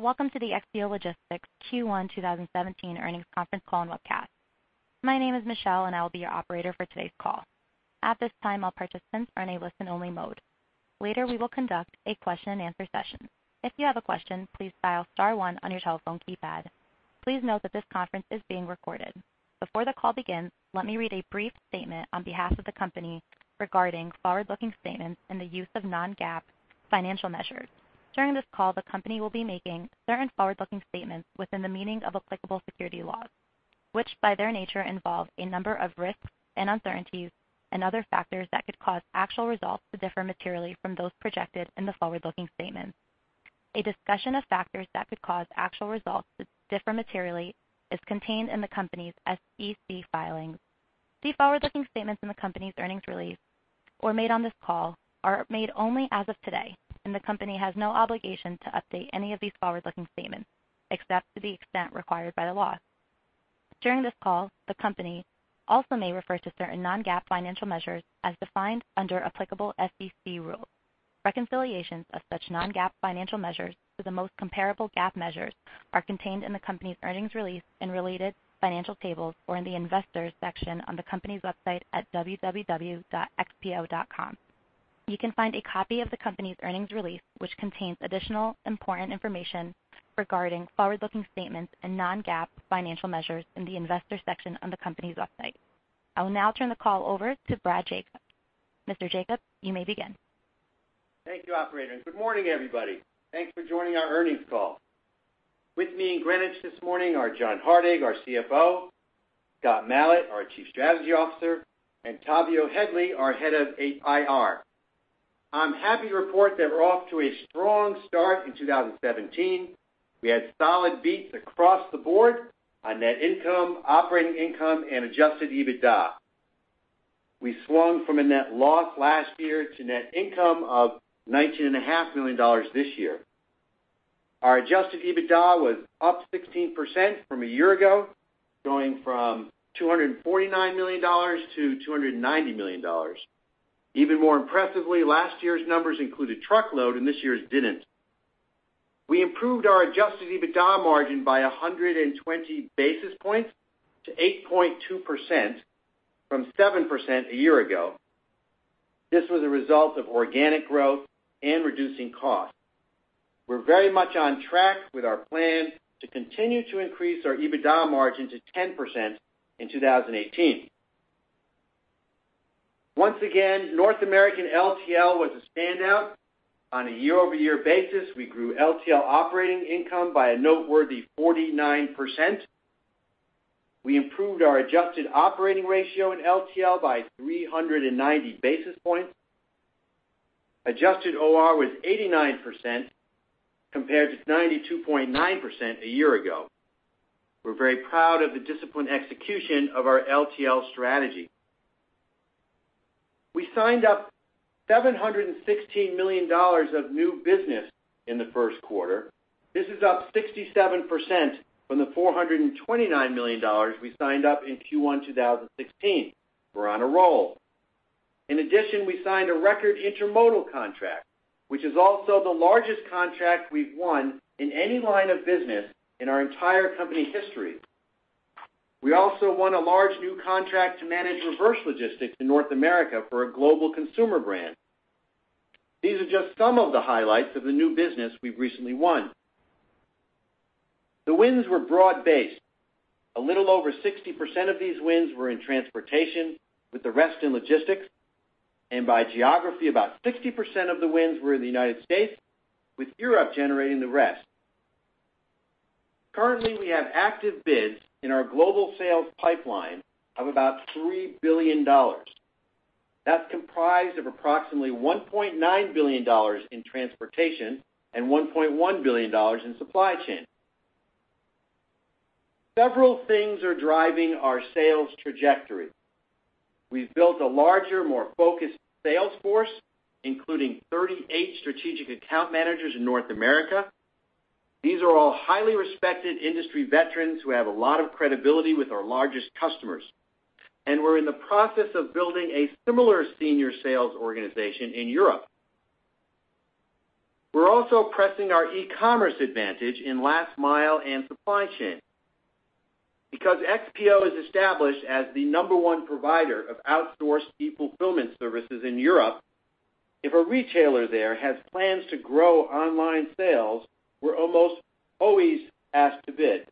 Welcome to the XPO Logistics Q1 2017 Earnings Conference Call and Webcast. My name is Michelle, and I will be your operator for today's call. At this time, all participants are in a listen-only mode. Later, we will conduct a question-and-answer session. If you have a question, please dial star one on your telephone keypad. Please note that this conference is being recorded. Before the call begins, let me read a brief statement on behalf of the company regarding forward-looking statements and the use of non-GAAP financial measures. During this call, the company will be making certain forward-looking statements within the meaning of applicable securities laws, which by their nature, involve a number of risks and uncertainties and other factors that could cause actual results to differ materially from those projected in the forward-looking statements. A discussion of factors that could cause actual results to differ materially is contained in the company's SEC filings. The forward-looking statements in the company's earnings release or made on this call are made only as of today, and the company has no obligation to update any of these forward-looking statements, except to the extent required by the law. During this call, the company also may refer to certain non-GAAP financial measures as defined under applicable SEC rules. Reconciliations of such non-GAAP financial measures to the most comparable GAAP measures are contained in the company's earnings release and related financial tables, or in the Investors section on the company's website at www.xpo.com. You can find a copy of the company's earnings release, which contains additional important information regarding forward-looking statements and non-GAAP financial measures in the Investors section on the company's website. I will now turn the call over to Brad Jacobs. Mr. Jacobs, you may begin. Thank you, operator, and good morning, everybody. Thanks for joining our earnings call. With me in Greenwich this morning are John Hardig, our CFO, Scott Malat, our Chief Strategy Officer, and Tavio Headley, our Head of IR. I'm happy to report that we're off to a strong start in 2017. We had solid beats across the board on net income, operating income, and adjusted EBITDA. We swung from a net loss last year to net income of $19.5 million this year. Our adjusted EBITDA was up 16% from a year ago, going from $249 million to $290 million. Even more impressively, last year's numbers included truckload, and this year's didn't. We improved our adjusted EBITDA margin by 120 basis points to 8.2% from 7% a year ago. This was a result of organic growth and reducing costs. We're very much on track with our plan to continue to increase our EBITDA margin to 10% in 2018. Once again, North American LTL was a standout. On a year-over-year basis, we grew LTL operating income by a noteworthy 49%. We improved our adjusted operating ratio in LTL by 390 basis points. Adjusted OR was 89%, compared to 92.9% a year ago. We're very proud of the disciplined execution of our LTL strategy. We signed up $716 million of new business in the Q1. This is up 67% from the $429 million we signed up in Q1 2016. We're on a roll. In addition, we signed a record intermodal contract, which is also the largest contract we've won in any line of business in our entire company history. We also won a large new contract to manage reverse logistics in North America for a global consumer brand. These are just some of the highlights of the new business we've recently won. The wins were broad-based. A little over 60% of these wins were in transportation, with the rest in logistics, and by geography, about 60% of the wins were in the United States, with Europe generating the rest. Currently, we have active bids in our global sales pipeline of about $3 billion. That's comprised of approximately $1.9 billion in transportation and $1.1 billion in supply chain. Several things are driving our sales trajectory. We've built a larger, more focused sales force, including 38 strategic account managers in North America. These are all highly respected industry veterans who have a lot of credibility with our largest customers, and we're in the process of building a similar senior sales organization in Europe. We're also pressing our e-commerce advantage in last mile and supply chain. Because XPO is established as the number one provider of outsourced e-fulfillment services in Europe, if a retailer there has plans to grow online sales, we're almost always asked to bid.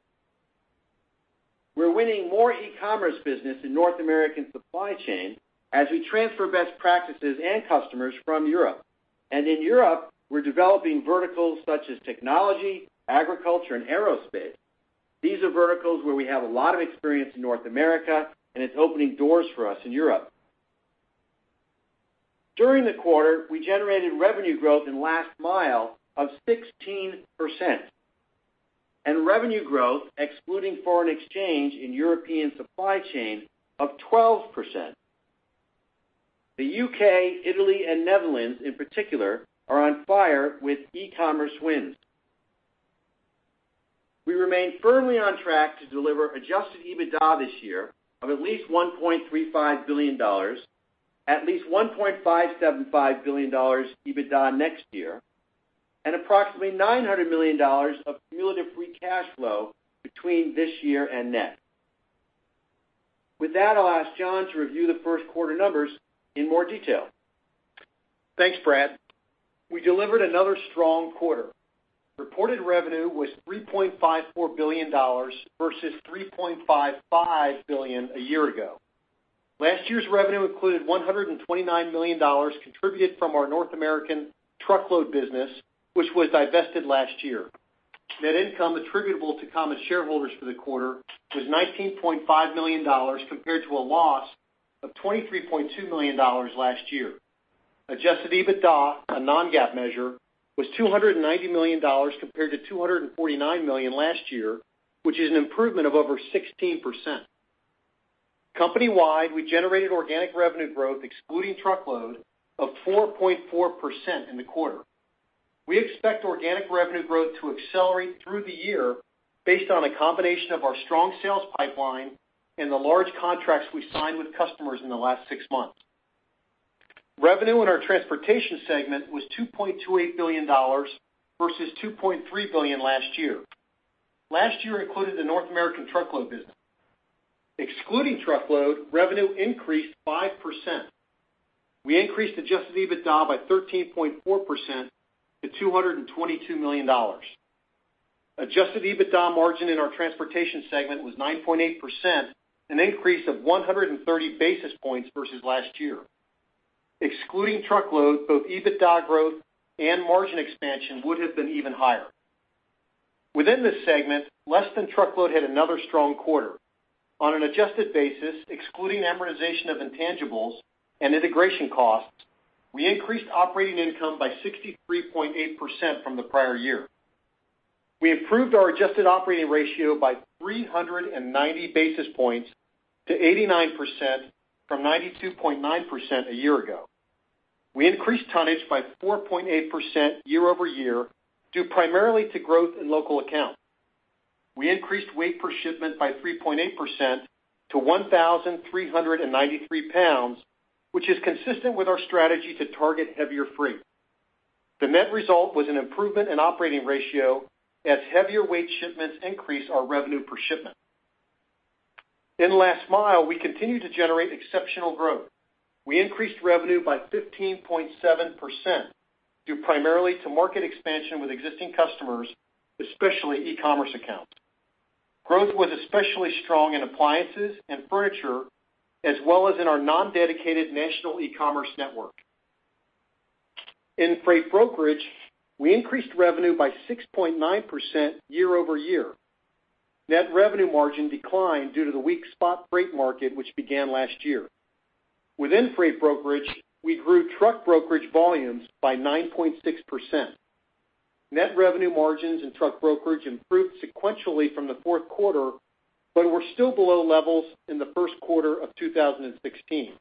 We're winning more e-commerce business in North American supply chain as we transfer best practices and customers from Europe. And in Europe, we're developing verticals such as technology, agriculture, and aerospace. These are verticals where we have a lot of experience in North America, and it's opening doors for us in Europe. During the quarter, we generated revenue growth in last mile of 16%, and revenue growth, excluding foreign exchange in European supply chain, of 12%. The UK, Italy, and Netherlands, in particular, are on fire with e-commerce wins. We remain firmly on track to deliver Adjusted EBITDA this year of at least $1.35 billion, at least $1.575 billion EBITDA next year, and approximately $900 million of cumulative free cash flow between this year and next. With that, I'll ask John to review the Q1 numbers in more detail. Thanks, Brad. We delivered another strong quarter. Reported revenue was $3.54 billion versus $3.55 billion a year ago. Last year's revenue included $129 million contributed from our North American truckload business, which was divested last year. Net income attributable to common shareholders for the quarter was $19.5 million, compared to a loss of $23.2 million last year. Adjusted EBITDA, a non-GAAP measure, was $290 million compared to $249 million last year, which is an improvement of over 16%. Company-wide, we generated organic revenue growth, excluding truckload, of 4.4% in the quarter. We expect organic revenue growth to accelerate through the year based on a combination of our strong sales pipeline and the large contracts we signed with customers in the last six months. Revenue in our Transportation segment was $2.28 billion versus $2.3 billion last year. Last year included the North American truckload business. Excluding truckload, revenue increased 5%. We increased adjusted EBITDA by 13.4% to $222 million. Adjusted EBITDA margin in our Transportation segment was 9.8%, an increase of 130 basis points versus last year. Excluding truckload, both EBITDA growth and margin expansion would have been even higher. Within this segment, less-than-truckload had another strong quarter. On an adjusted basis, excluding amortization of intangibles and integration costs, we increased operating income by 63.8% from the prior year. We improved our adjusted operating ratio by 390 basis points to 89% from 92.9% a year ago. We increased tonnage by 4.8% year-over-year, due primarily to growth in local accounts. We increased weight per shipment by 3.8% to 1,393 pounds, which is consistent with our strategy to target heavier freight. The net result was an improvement in operating ratio as heavier weight shipments increase our revenue per shipment. In last mile, we continued to generate exceptional growth. We increased revenue by 15.7%, due primarily to market expansion with existing customers, especially e-commerce accounts. Growth was especially strong in appliances and furniture, as well as in our non-dedicated national e-commerce network. In freight brokerage, we increased revenue by 6.9% year-over-year. Net revenue margin declined due to the weak spot freight market, which began last year. Within freight brokerage, we grew truck brokerage volumes by 9.6%. Net revenue margins in truck brokerage improved sequentially from the Q4, but were still below levels in the Q1 of 2016.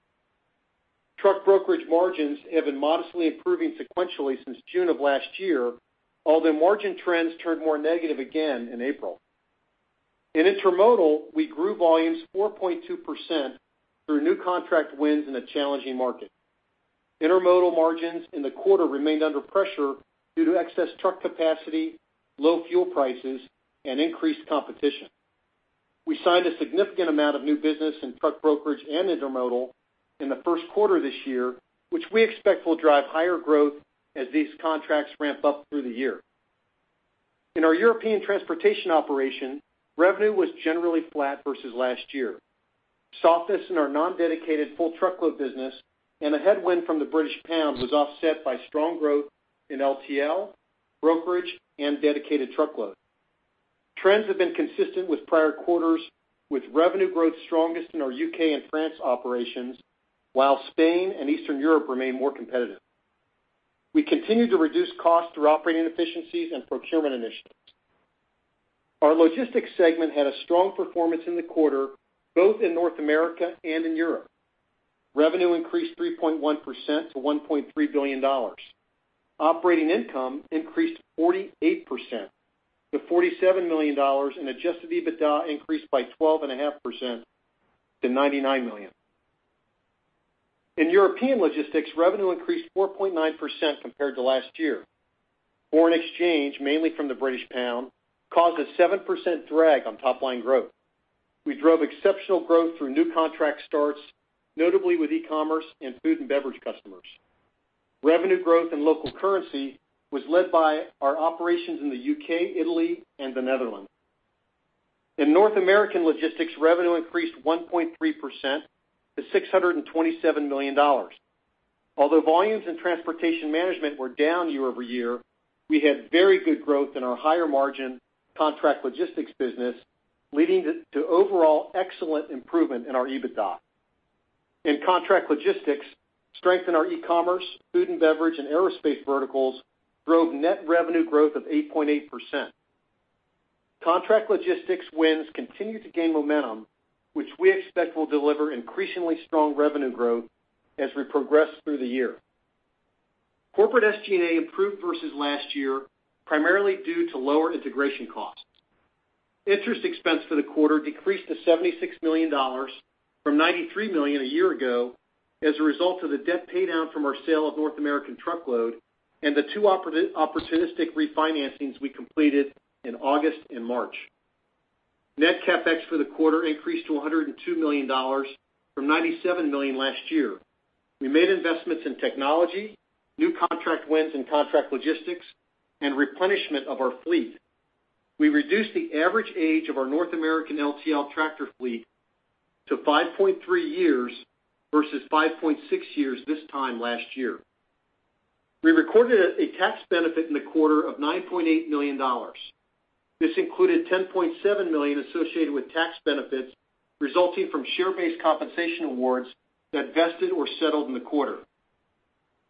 Truck brokerage margins have been modestly improving sequentially since June of last year, although margin trends turned more negative again in April. In intermodal, we grew volumes 4.2% through new contract wins in a challenging market. Intermodal margins in the quarter remained under pressure due to excess truck capacity, low fuel prices, and increased competition. We signed a significant amount of new business in truck brokerage and intermodal in the Q1 this year, which we expect will drive higher growth as these contracts ramp up through the year. In our European transportation operation, revenue was generally flat versus last year. Softness in our non-dedicated full truckload business and a headwind from the British pound was offset by strong growth in LTL, brokerage, and dedicated truckload. Trends have been consistent with prior quarters, with revenue growth strongest in our UK and France operations, while Spain and Eastern Europe remain more competitive. We continue to reduce costs through operating efficiencies and procurement initiatives. Our Logistics segment had a strong performance in the quarter, both in North America and in Europe. Revenue increased 3.1% to $1.3 billion. Operating income increased 48% to $47 million, and adjusted EBITDA increased by 12.5% to $99 million. In European logistics, revenue increased 4.9% compared to last year. Foreign exchange, mainly from the British pound, caused a 7% drag on top-line growth. We drove exceptional growth through new contract starts, notably with e-commerce and food and beverage customers. Revenue growth in local currency was led by our operations in the UK, Italy, and the Netherlands. In North American logistics, revenue increased 1.3% to $627 million. Although volumes in transportation management were down year-over-year, we had very good growth in our higher-margin contract logistics business, leading to overall excellent improvement in our EBITDA. In contract logistics, strength in our e-commerce, food and beverage, and aerospace verticals drove net revenue growth of 8.8%. Contract logistics wins continue to gain momentum, which we expect will deliver increasingly strong revenue growth as we progress through the year. Corporate SG&A improved versus last year, primarily due to lower integration costs. Interest expense for the quarter decreased to $76 million from $93 million a year ago, as a result of the debt paydown from our sale of North American Truckload and the two opportunistic refinancings we completed in August and March. Net CapEx for the quarter increased to $102 million from $97 million last year. We made investments in technology, new contract wins in contract logistics, and replenishment of our fleet. We reduced the average age of our North American LTL tractor fleet to 5.3 years versus 5.6 years this time last year. We recorded a tax benefit in the quarter of $9.8 million. This included $10.7 million associated with tax benefits resulting from share-based compensation awards that vested or settled in the quarter.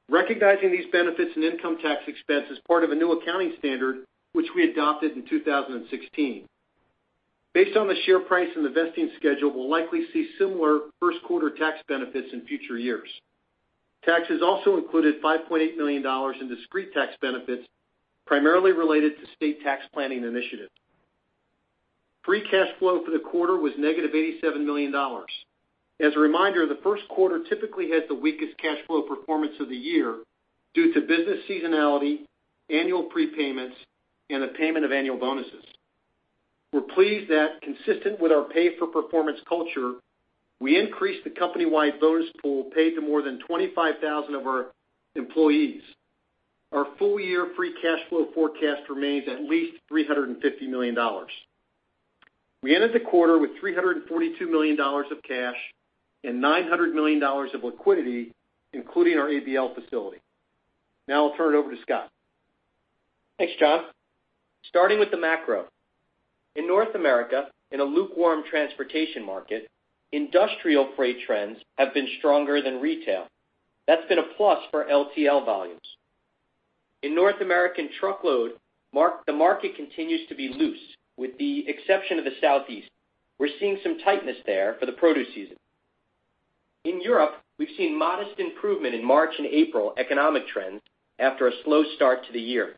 Recognizing these benefits and income tax expense is part of a new accounting standard, which we adopted in 2016. Based on the share price and the vesting schedule, we'll likely see similar Q1 tax benefits in future years. Taxes also included $5.8 million in discrete tax benefits, primarily related to state tax planning initiatives. Free cash flow for the quarter was negative $87 million. As a reminder, the Q1 typically has the weakest cash flow performance of the year due to business seasonality, annual prepayments, and the payment of annual bonuses. We're pleased that, consistent with our pay-for-performance culture, we increased the company-wide bonus pool paid to more than 25,000 of our employees. Our full-year free cash flow forecast remains at least $350 million. We ended the quarter with $342 million of cash and $900 million of liquidity, including our ABL facility. Now I'll turn it over to Scott. Thanks, John. Starting with the macro. In North America, in a lukewarm transportation market, industrial freight trends have been stronger than retail. That's been a plus for LTL volumes. In North American truckload, the market continues to be loose, with the exception of the Southeast. We're seeing some tightness there for the produce season. In Europe, we've seen modest improvement in March and April economic trends after a slow start to the year.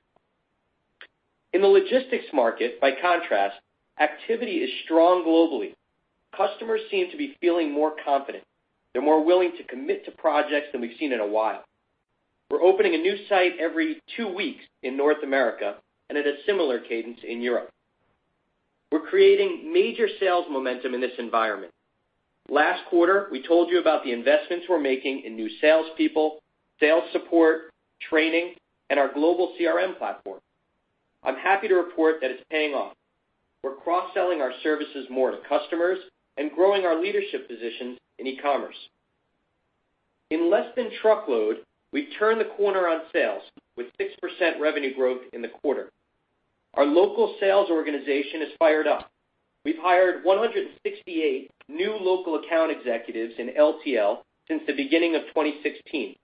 In the logistics market, by contrast, activity is strong globally. Customers seem to be feeling more confident. They're more willing to commit to projects than we've seen in a while. We're opening a new site every two weeks in North America and at a similar cadence in Europe. We're creating major sales momentum in this environment. Last quarter, we told you about the investments we're making in new salespeople, sales support, training, and our global CRM platform. I'm happy to report that it's paying off. We're cross-selling our services more to customers and growing our leadership positions in e-commerce. In less-than-truckload, we've turned the corner on sales, with 6% revenue growth in the quarter. Our local sales organization is fired up. We've hired 168 new local account executives in LTL since the beginning of 2016.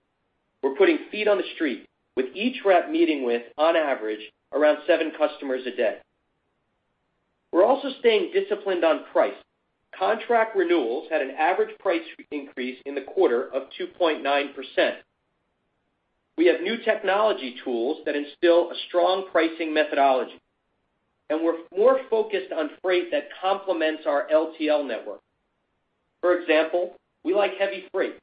We're putting feet on the street, with each rep meeting with, on average, around seven customers a day. We're also staying disciplined on price. Contract renewals had an average price increase in the quarter of 2.9%. We have new technology tools that instill a strong pricing methodology, and we're more focused on freight that complements our LTL network. For example, we like heavy freight.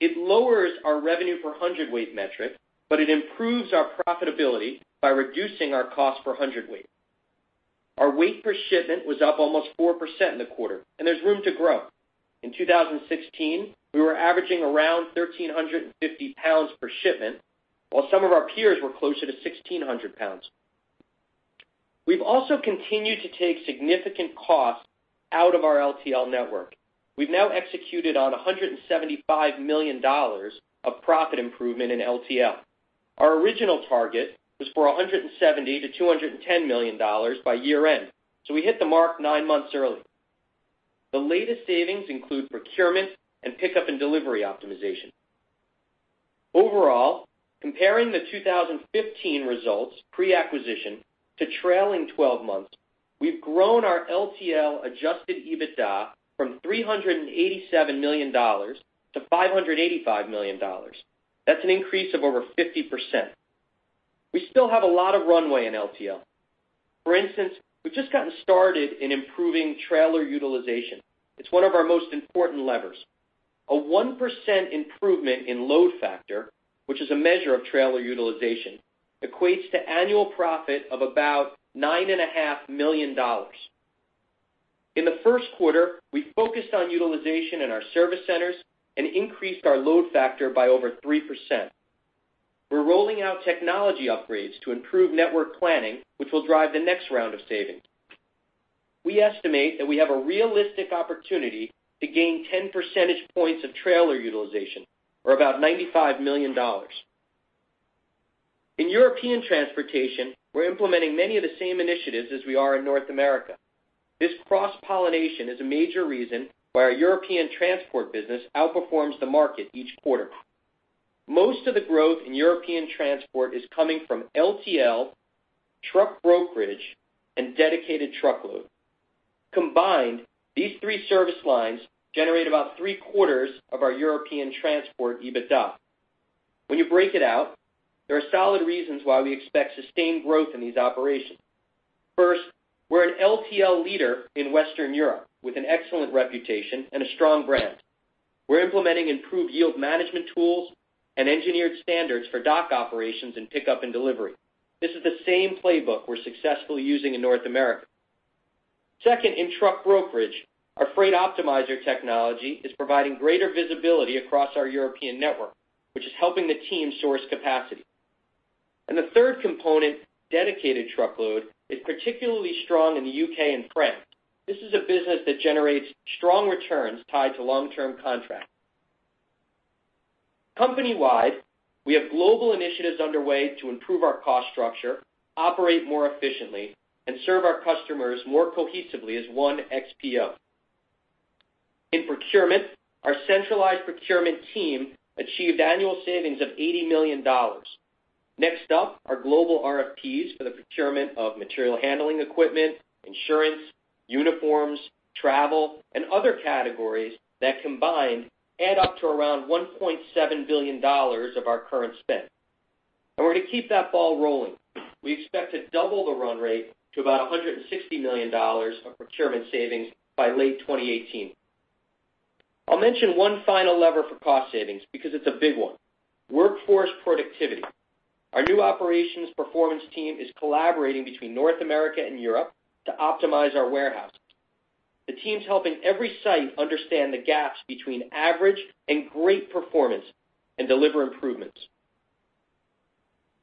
It lowers our revenue per hundredweight metric, but it improves our profitability by reducing our cost per hundredweight. Our weight per shipment was up almost 4% in the quarter, and there's room to grow. In 2016, we were averaging around 1,350 pounds per shipment, while some of our peers were closer to 1,600 pounds. We've also continued to take significant costs out of our LTL network. We've now executed on $175 million of profit improvement in LTL. Our original target was for $170 million-$210 million by year-end, so we hit the mark nine months early. The latest savings include procurement and pickup and delivery optimization. Overall, comparing the 2015 results, pre-acquisition, to trailing twelve months, we've grown our LTL adjusted EBITDA from $387 million to $585 million. That's an increase of over 50%. We still have a lot of runway in LTL. For instance, we've just gotten started in improving trailer utilization. It's one of our most important levers. A 1% improvement in load factor, which is a measure of trailer utilization, equates to annual profit of about $9.5 million. In the Q1, we focused on utilization in our service centers and increased our load factor by over 3%. We're rolling out technology upgrades to improve network planning, which will drive the next round of savings. We estimate that we have a realistic opportunity to gain 10 percentage points of trailer utilization, or about $95 million. In European transportation, we're implementing many of the same initiatives as we are in North America. This cross-pollination is a major reason why our European transport business outperforms the market each quarter. Most of the growth in European transport is coming from LTL, truck brokerage, and dedicated truckload. Combined, these three service lines generate about three quarters of our European transport EBITDA. When you break it out, there are solid reasons why we expect sustained growth in these operations. First, we're an LTL leader in Western Europe, with an excellent reputation and a strong brand. We're implementing improved yield management tools and engineered standards for dock operations and pickup and delivery. This is the same playbook we're successfully using in North America. Second, in truck brokerage, our Freight Optimizer technology is providing greater visibility across our European network, which is helping the team source capacity. And the third component, dedicated truckload, is particularly strong in the UK and France. This is a business that generates strong returns tied to long-term contracts. Company-wide, we have global initiatives underway to improve our cost structure, operate more efficiently, and serve our customers more cohesively as one XPO. In procurement, our centralized procurement team achieved annual savings of $80 million. Next up, our global RFPs for the procurement of material handling equipment, insurance, uniforms, travel, and other categories that combined add up to around $1.7 billion of our current spend. And we're going to keep that ball rolling. We expect to double the run rate to about $160 million of procurement savings by late 2018. I'll mention one final lever for cost savings because it's a big one, workforce productivity. Our new operations performance team is collaborating between North America and Europe to optimize our warehouse. The team's helping every site understand the gaps between average and great performance and deliver improvements.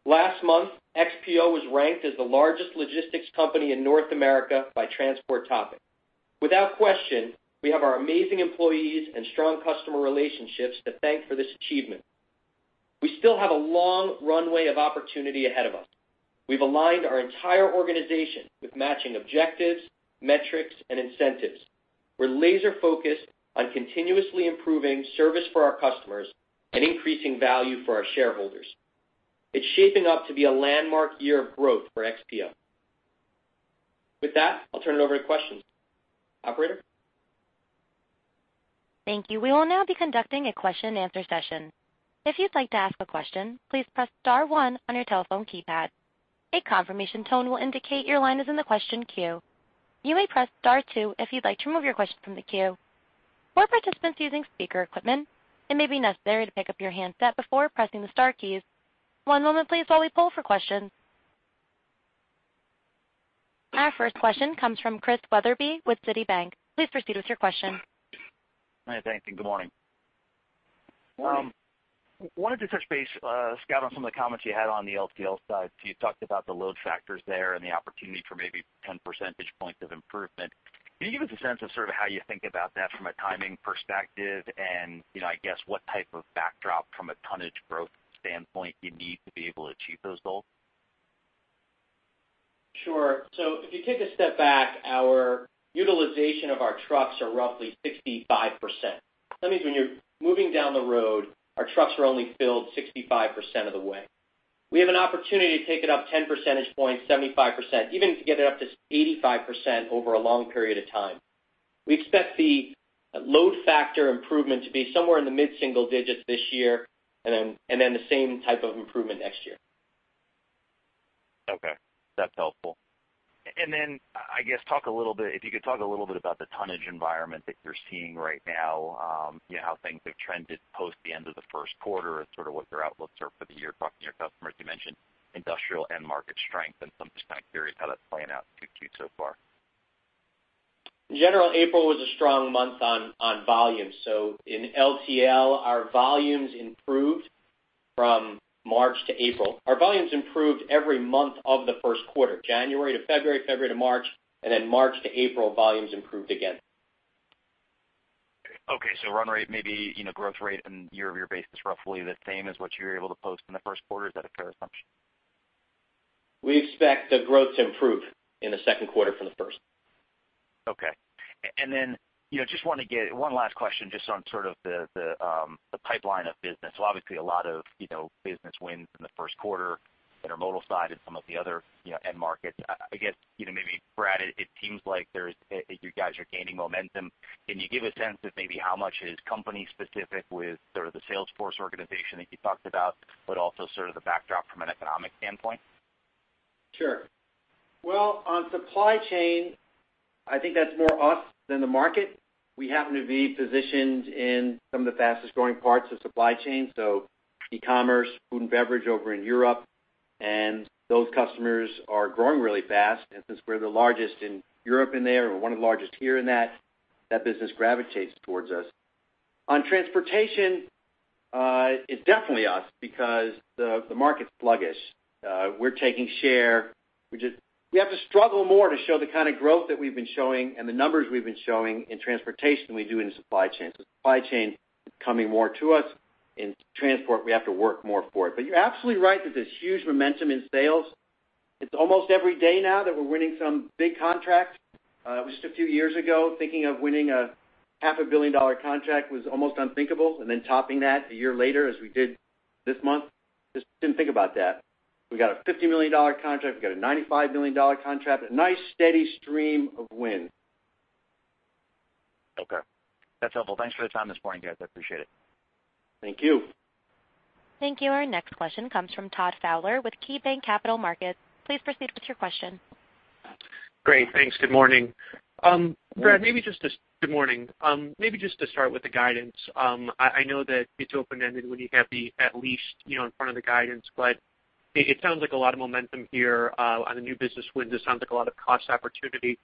Last month, XPO was ranked as the largest logistics company in North America by Transport Topics. Without question, we have our amazing employees and strong customer relationships to thank for this achievement. We still have a long runway of opportunity ahead of us. We've aligned our entire organization with matching objectives, metrics, and incentives. We're laser focused on continuously improving service for our customers and increasing value for our shareholders. It's shaping up to be a landmark year of growth for XPO. With that, I'll turn it over to questions. Operator? Thank you. We will now be conducting a question-and-answer session. If you'd like to ask a question, please press star one on your telephone keypad. A confirmation tone will indicate your line is in the question queue. You may press star two if you'd like to remove your question from the queue. For participants using speaker equipment, it may be necessary to pick up your handset before pressing the star keys. One moment please, while we poll for questions. Our first question comes from Chris Wetherbee with Citibank. Please proceed with your question. Hi, thanks, and good morning. Morning. Wanted to touch base, Scott, on some of the comments you had on the LTL side. So you talked about the load factors there and the opportunity for maybe 10 percentage points of improvement. Can you give us a sense of sort of how you think about that from a timing perspective, and, you know, I guess, what type of backdrop from a tonnage growth standpoint you need to be able to achieve those goals? Sure. So if you take a step back, our utilization of our trucks are roughly 65%. That means when you're moving down the road, our trucks are only filled 65% of the way. We have an opportunity to take it up 10 percentage points, 75%, even to get it up to 85% over a long period of time. We expect the load factor improvement to be somewhere in the mid-single digits this year, and then, and then the same type of improvement next year. Okay, that's helpful. And then, I guess, talk a little bit... If you could talk a little bit about the tonnage environment that you're seeing right now, you know, how things have trended post the end of the Q1 and sort of what your outlooks are for the year. Talking to your customers, you mentioned industrial end market strength, and so I'm just kind of curious how that's playing out Q2 so far. In general, April was a strong month on volume. So in LTL, our volumes improved from March to April. Our volumes improved every month of the Q1, January to February, February to March, and then March to April, volumes improved again. Okay, so run rate, maybe, you know, growth rate on a year-over-year basis, roughly the same as what you were able to post in the Q1. Is that a fair assumption? We expect the growth to improve in the Q2 from the first. Okay. And then, you know, just want to get one last question just on sort of the, the, the pipeline of business. So obviously, a lot of, you know, business wins in the Q1, intermodal side and some of the other, you know, end markets. I, I guess, you know, maybe, Brad, it, it seems like there's, you guys are gaining momentum. Can you give a sense of maybe how much is company specific with sort of the sales force organization that you talked about, but also sort of the backdrop from an economic standpoint? Sure. Well, on supply chain, I think that's more us than the market. We happen to be positioned in some of the fastest-growing parts of supply chain, so e-commerce, food and beverage over in Europe, and those customers are growing really fast. And since we're the largest in Europe in there, and we're one of the largest here in that, that business gravitates towards us. On transportation, it's definitely us, because the market's sluggish. We're taking share, which is we have to struggle more to show the kind of growth that we've been showing and the numbers we've been showing in transportation than we do in supply chain. So supply chain is coming more to us. In transport, we have to work more for it. But you're absolutely right that there's huge momentum in sales. It's almost every day now that we're winning some big contracts. Just a few years ago, thinking of winning a $500 million contract was almost unthinkable, and then topping that a year later, as we did this month, just didn't think about that. We got a $50 million contract, we got a $95 million contract, a nice steady stream of wins. Okay, that's helpful. Thanks for the time this morning, guys. I appreciate it. Thank you. Thank you. Our next question comes from Todd Fowler with KeyBanc Capital Markets. Please proceed with your question. Great, thanks. Good morning. Brad, maybe just good morning. Maybe just to start with the guidance. I know that it's open-ended when you have the at least, you know, in front of the guidance, but it sounds like a lot of momentum here on the new business wins. It sounds like a lot of cost opportunity.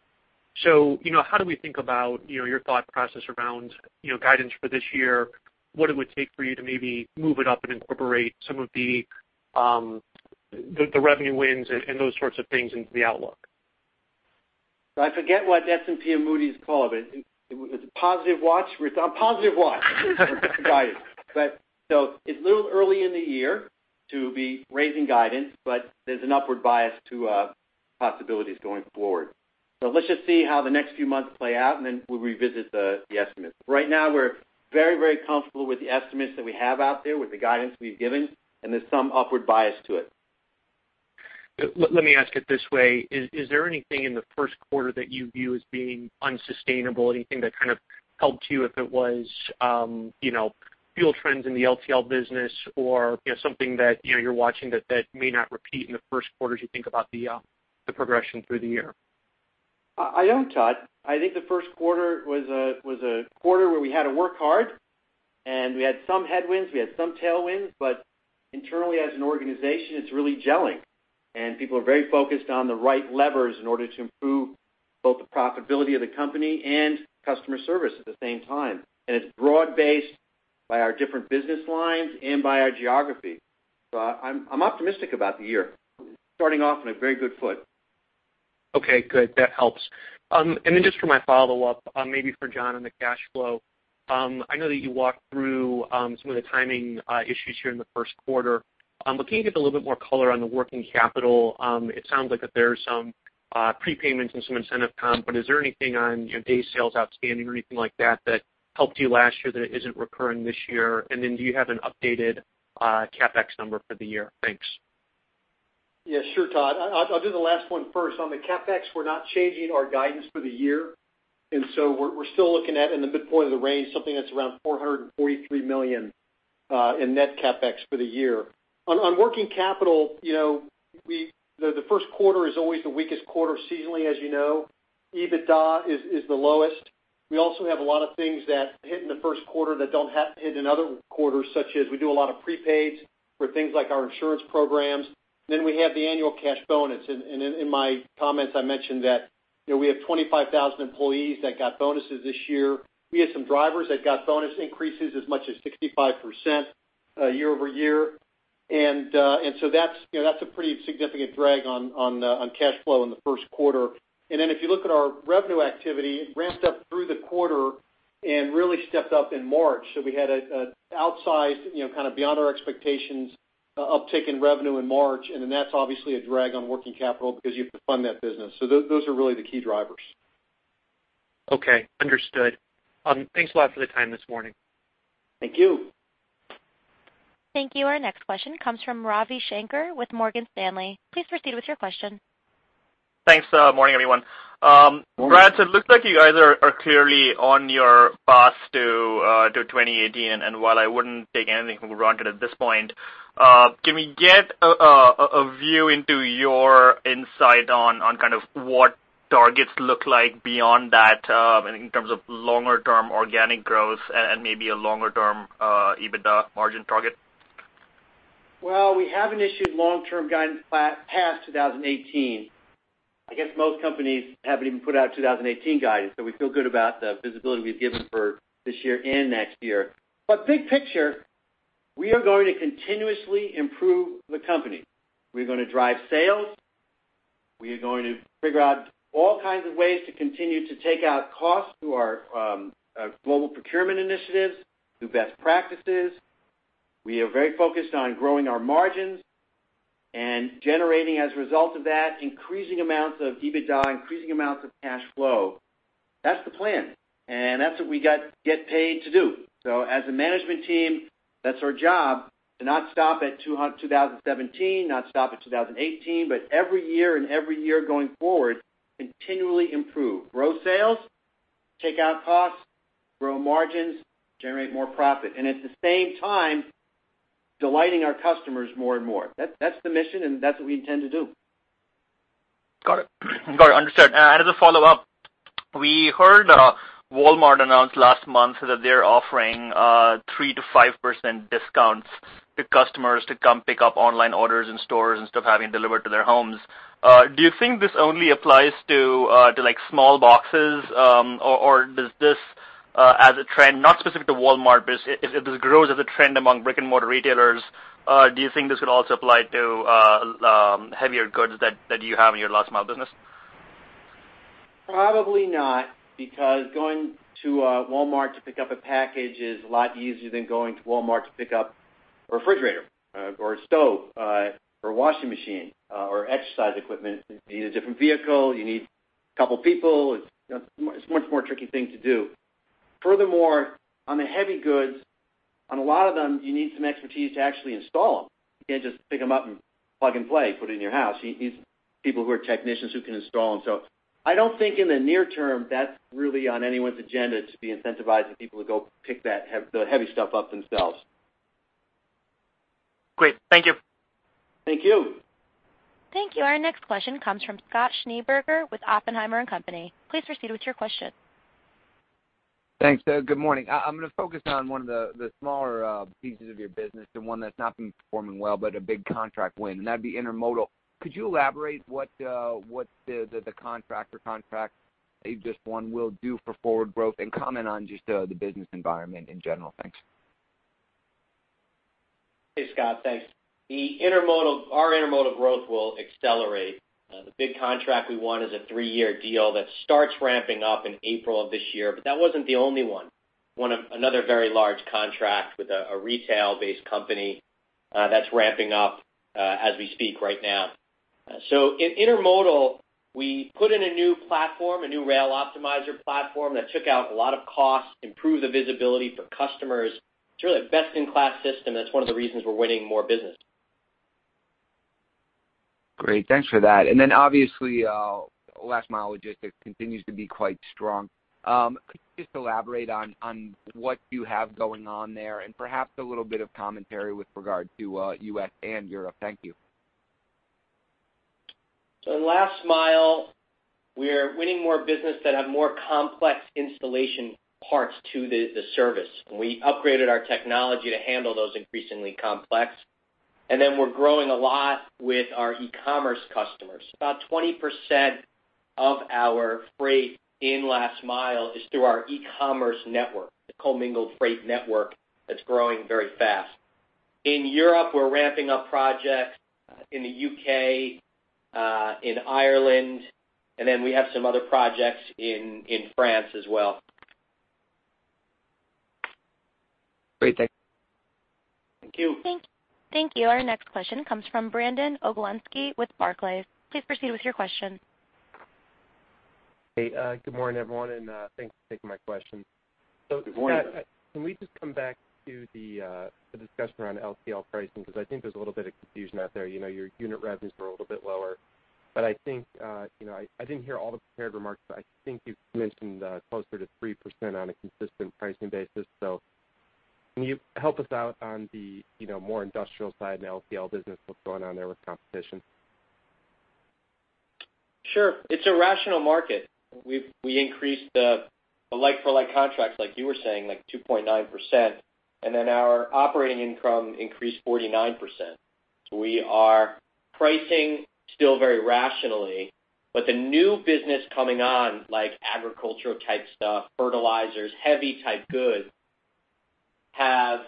So, you know, how do we think about your thought process around guidance for this year? What it would take for you to maybe move it up and incorporate some of the revenue wins and those sorts of things into the outlook? I forget what S&P and Moody's call it. It was a positive watch? A positive watch! Guidance. But so it's a little early in the year to be raising guidance, but there's an upward bias to possibilities going forward. So let's just see how the next few months play out, and then we'll revisit the estimates. Right now, we're very, very comfortable with the estimates that we have out there, with the guidance we've given, and there's some upward bias to it. Let me ask it this way: Is there anything in the Q1 that you view as being unsustainable, anything that kind of helped you, if it was, you know, fuel trends in the LTL business or, you know, something that, you know, you're watching that may not repeat in the Q1 as you think about the progression through the year? I don't, Todd. I think the Q1 was a quarter where we had to work hard, and we had some headwinds, we had some tailwinds, but internally, as an organization, it's really gelling. And people are very focused on the right levers in order to improve both the profitability of the company and customer service at the same time. And it's broad-based by our different business lines and by our geography. So I'm optimistic about the year. Starting off on a very good foot. Okay, good. That helps. And then just for my follow-up, maybe for John on the cash flow. I know that you walked through some of the timing issues here in the Q1. But can you give a little bit more color on the working capital? It sounds like that there are some prepayments and some incentive comp, but is there anything on, you know, day sales outstanding or anything like that, that helped you last year that isn't recurring this year? And then do you have an updated CapEx number for the year? Thanks. Yeah, sure, Todd. I'll do the last one first. On the CapEx, we're not changing our guidance for the year, and so we're still looking at, in the midpoint of the range, something that's around $443 million in net CapEx for the year. On working capital, you know, the Q1 is always the weakest quarter seasonally, as you know. EBITDA is the lowest. We also have a lot of things that hit in the Q1 that don't hit in other quarters, such as we do a lot of prepaids for things like our insurance programs. Then we have the annual cash bonus. And in my comments, I mentioned that, you know, we have 25,000 employees that got bonuses this year. We had some drivers that got bonus increases as much as 65% year-over-year. And so that's, you know, that's a pretty significant drag on, on, on cash flow in the Q1. And then, if you look at our revenue activity, it ramped up through the quarter and really stepped up in March. So we had a outsized, you know, kind of beyond our expectations, uptick in revenue in March, and then that's obviously a drag on working capital because you have to fund that business. So those are really the key drivers. Okay, understood. Thanks a lot for the time this morning. Thank you. Thank you. Our next question comes from Ravi Shanker with Morgan Stanley. Please proceed with your question. Thanks. Morning, everyone. Brad, so it looks like you guys are clearly on your path to 2018, and while I wouldn't take anything for granted at this point, can we get a view into your insight on kind of what targets look like beyond that, in terms of longer term organic growth and maybe a longer-term EBITDA margin target? Well, we haven't issued long-term guidance past 2018. I guess most companies haven't even put out 2018 guidance, so we feel good about the visibility we've given for this year and next year. But big picture, we are going to continuously improve the company. We're going to drive sales, we are going to figure out all kinds of ways to continue to take out costs through our global procurement initiatives, through best practices. We are very focused on growing our margins and generating, as a result of that, increasing amounts of EBITDA, increasing amounts of cash flow. That's the plan, and that's what we get paid to do. So as a management team, that's our job, to not stop at 2017, not stop at 2018, but every year and every year going forward, continually improve. Grow sales, take out costs, grow margins, generate more profit, and at the same time, delighting our customers more and more. That's the mission, and that's what we intend to do. Got it. Got it, understood. And as a follow-up, we heard Walmart announce last month that they're offering 3%-5% discounts to customers to come pick up online orders in stores instead of having delivered to their homes. Do you think this only applies to, to, like, small boxes? Or, or does this, as a trend, not specific to Walmart, but if, if this grows as a trend among brick-and-mortar retailers, do you think this could also apply to, heavier goods that, that you have in your last mile business? Probably not, because going to Walmart to pick up a package is a lot easier than going to Walmart to pick up a refrigerator, or a stove, or a washing machine, or exercise equipment. You need a different vehicle, you need a couple people. It's, you know, it's a much more tricky thing to do. Furthermore, on the heavy goods, on a lot of them, you need some expertise to actually install them. You can't just pick them up and plug and play, put it in your house. You need people who are technicians who can install them. So I don't think in the near term, that's really on anyone's agenda to be incentivizing people to go pick the heavy stuff up themselves. Great, thank you. Thank you. Thank you. Our next question comes from Scott Schneeberger with Oppenheimer & Co. Please proceed with your question. Thanks, Brad. Good morning. I'm going to focus on one of the smaller pieces of your business, the one that's not been performing well, but a big contract win, and that'd be intermodal. Could you elaborate what the contract or contracts that you just won will do for forward growth, and comment on just the business environment in general? Thanks. Hey, Scott. Thanks. Our intermodal growth will accelerate. The big contract we won is a three-year deal that starts ramping up in April of this year, but that wasn't the only one. Another very large contract with a retail-based company that's ramping up as we speak right now. So in intermodal, we put in a new platform, a new Rail Optimizer platform, that took out a lot of costs, improved the visibility for customers. It's really a best-in-class system. That's one of the reasons we're winning more business. Great, thanks for that. And then, obviously, last-mile logistics continues to be quite strong. Could you just elaborate on, on what you have going on there, and perhaps a little bit of commentary with regard to, U.S. and Europe? Thank you. In last mile, we're winning more business that have more complex installation parts to the service. We upgraded our technology to handle those increasingly complex, and then we're growing a lot with our e-commerce customers. About 20% of our freight in last mile is through our e-commerce network, the commingled freight network, that's growing very fast. In Europe, we're ramping up projects in the UK, in Ireland, and then we have some other projects in France as well. Great. Thank you. Thank you. Thank you. Our next question comes from Brandon Oglenski with Barclays. Please proceed with your question. Hey, good morning, everyone, and thanks for taking my question. Good morning. So can we just come back to the, the discussion around LTL pricing? Because I think there's a little bit of confusion out there. You know, your unit revenues were a little bit lower, but I think, you know, I, I didn't hear all the prepared remarks, but I think you mentioned, closer to 3% on a consistent pricing basis. So can you help us out on the, you know, more industrial side and the LTL business, what's going on there with competition? Sure. It's a rational market. We increased the like-for-like contracts, like you were saying, like 2.9%, and then our operating income increased 49%. We are pricing still very rationally, but the new business coming on, like agricultural-type stuff, fertilizers, heavy-type goods, have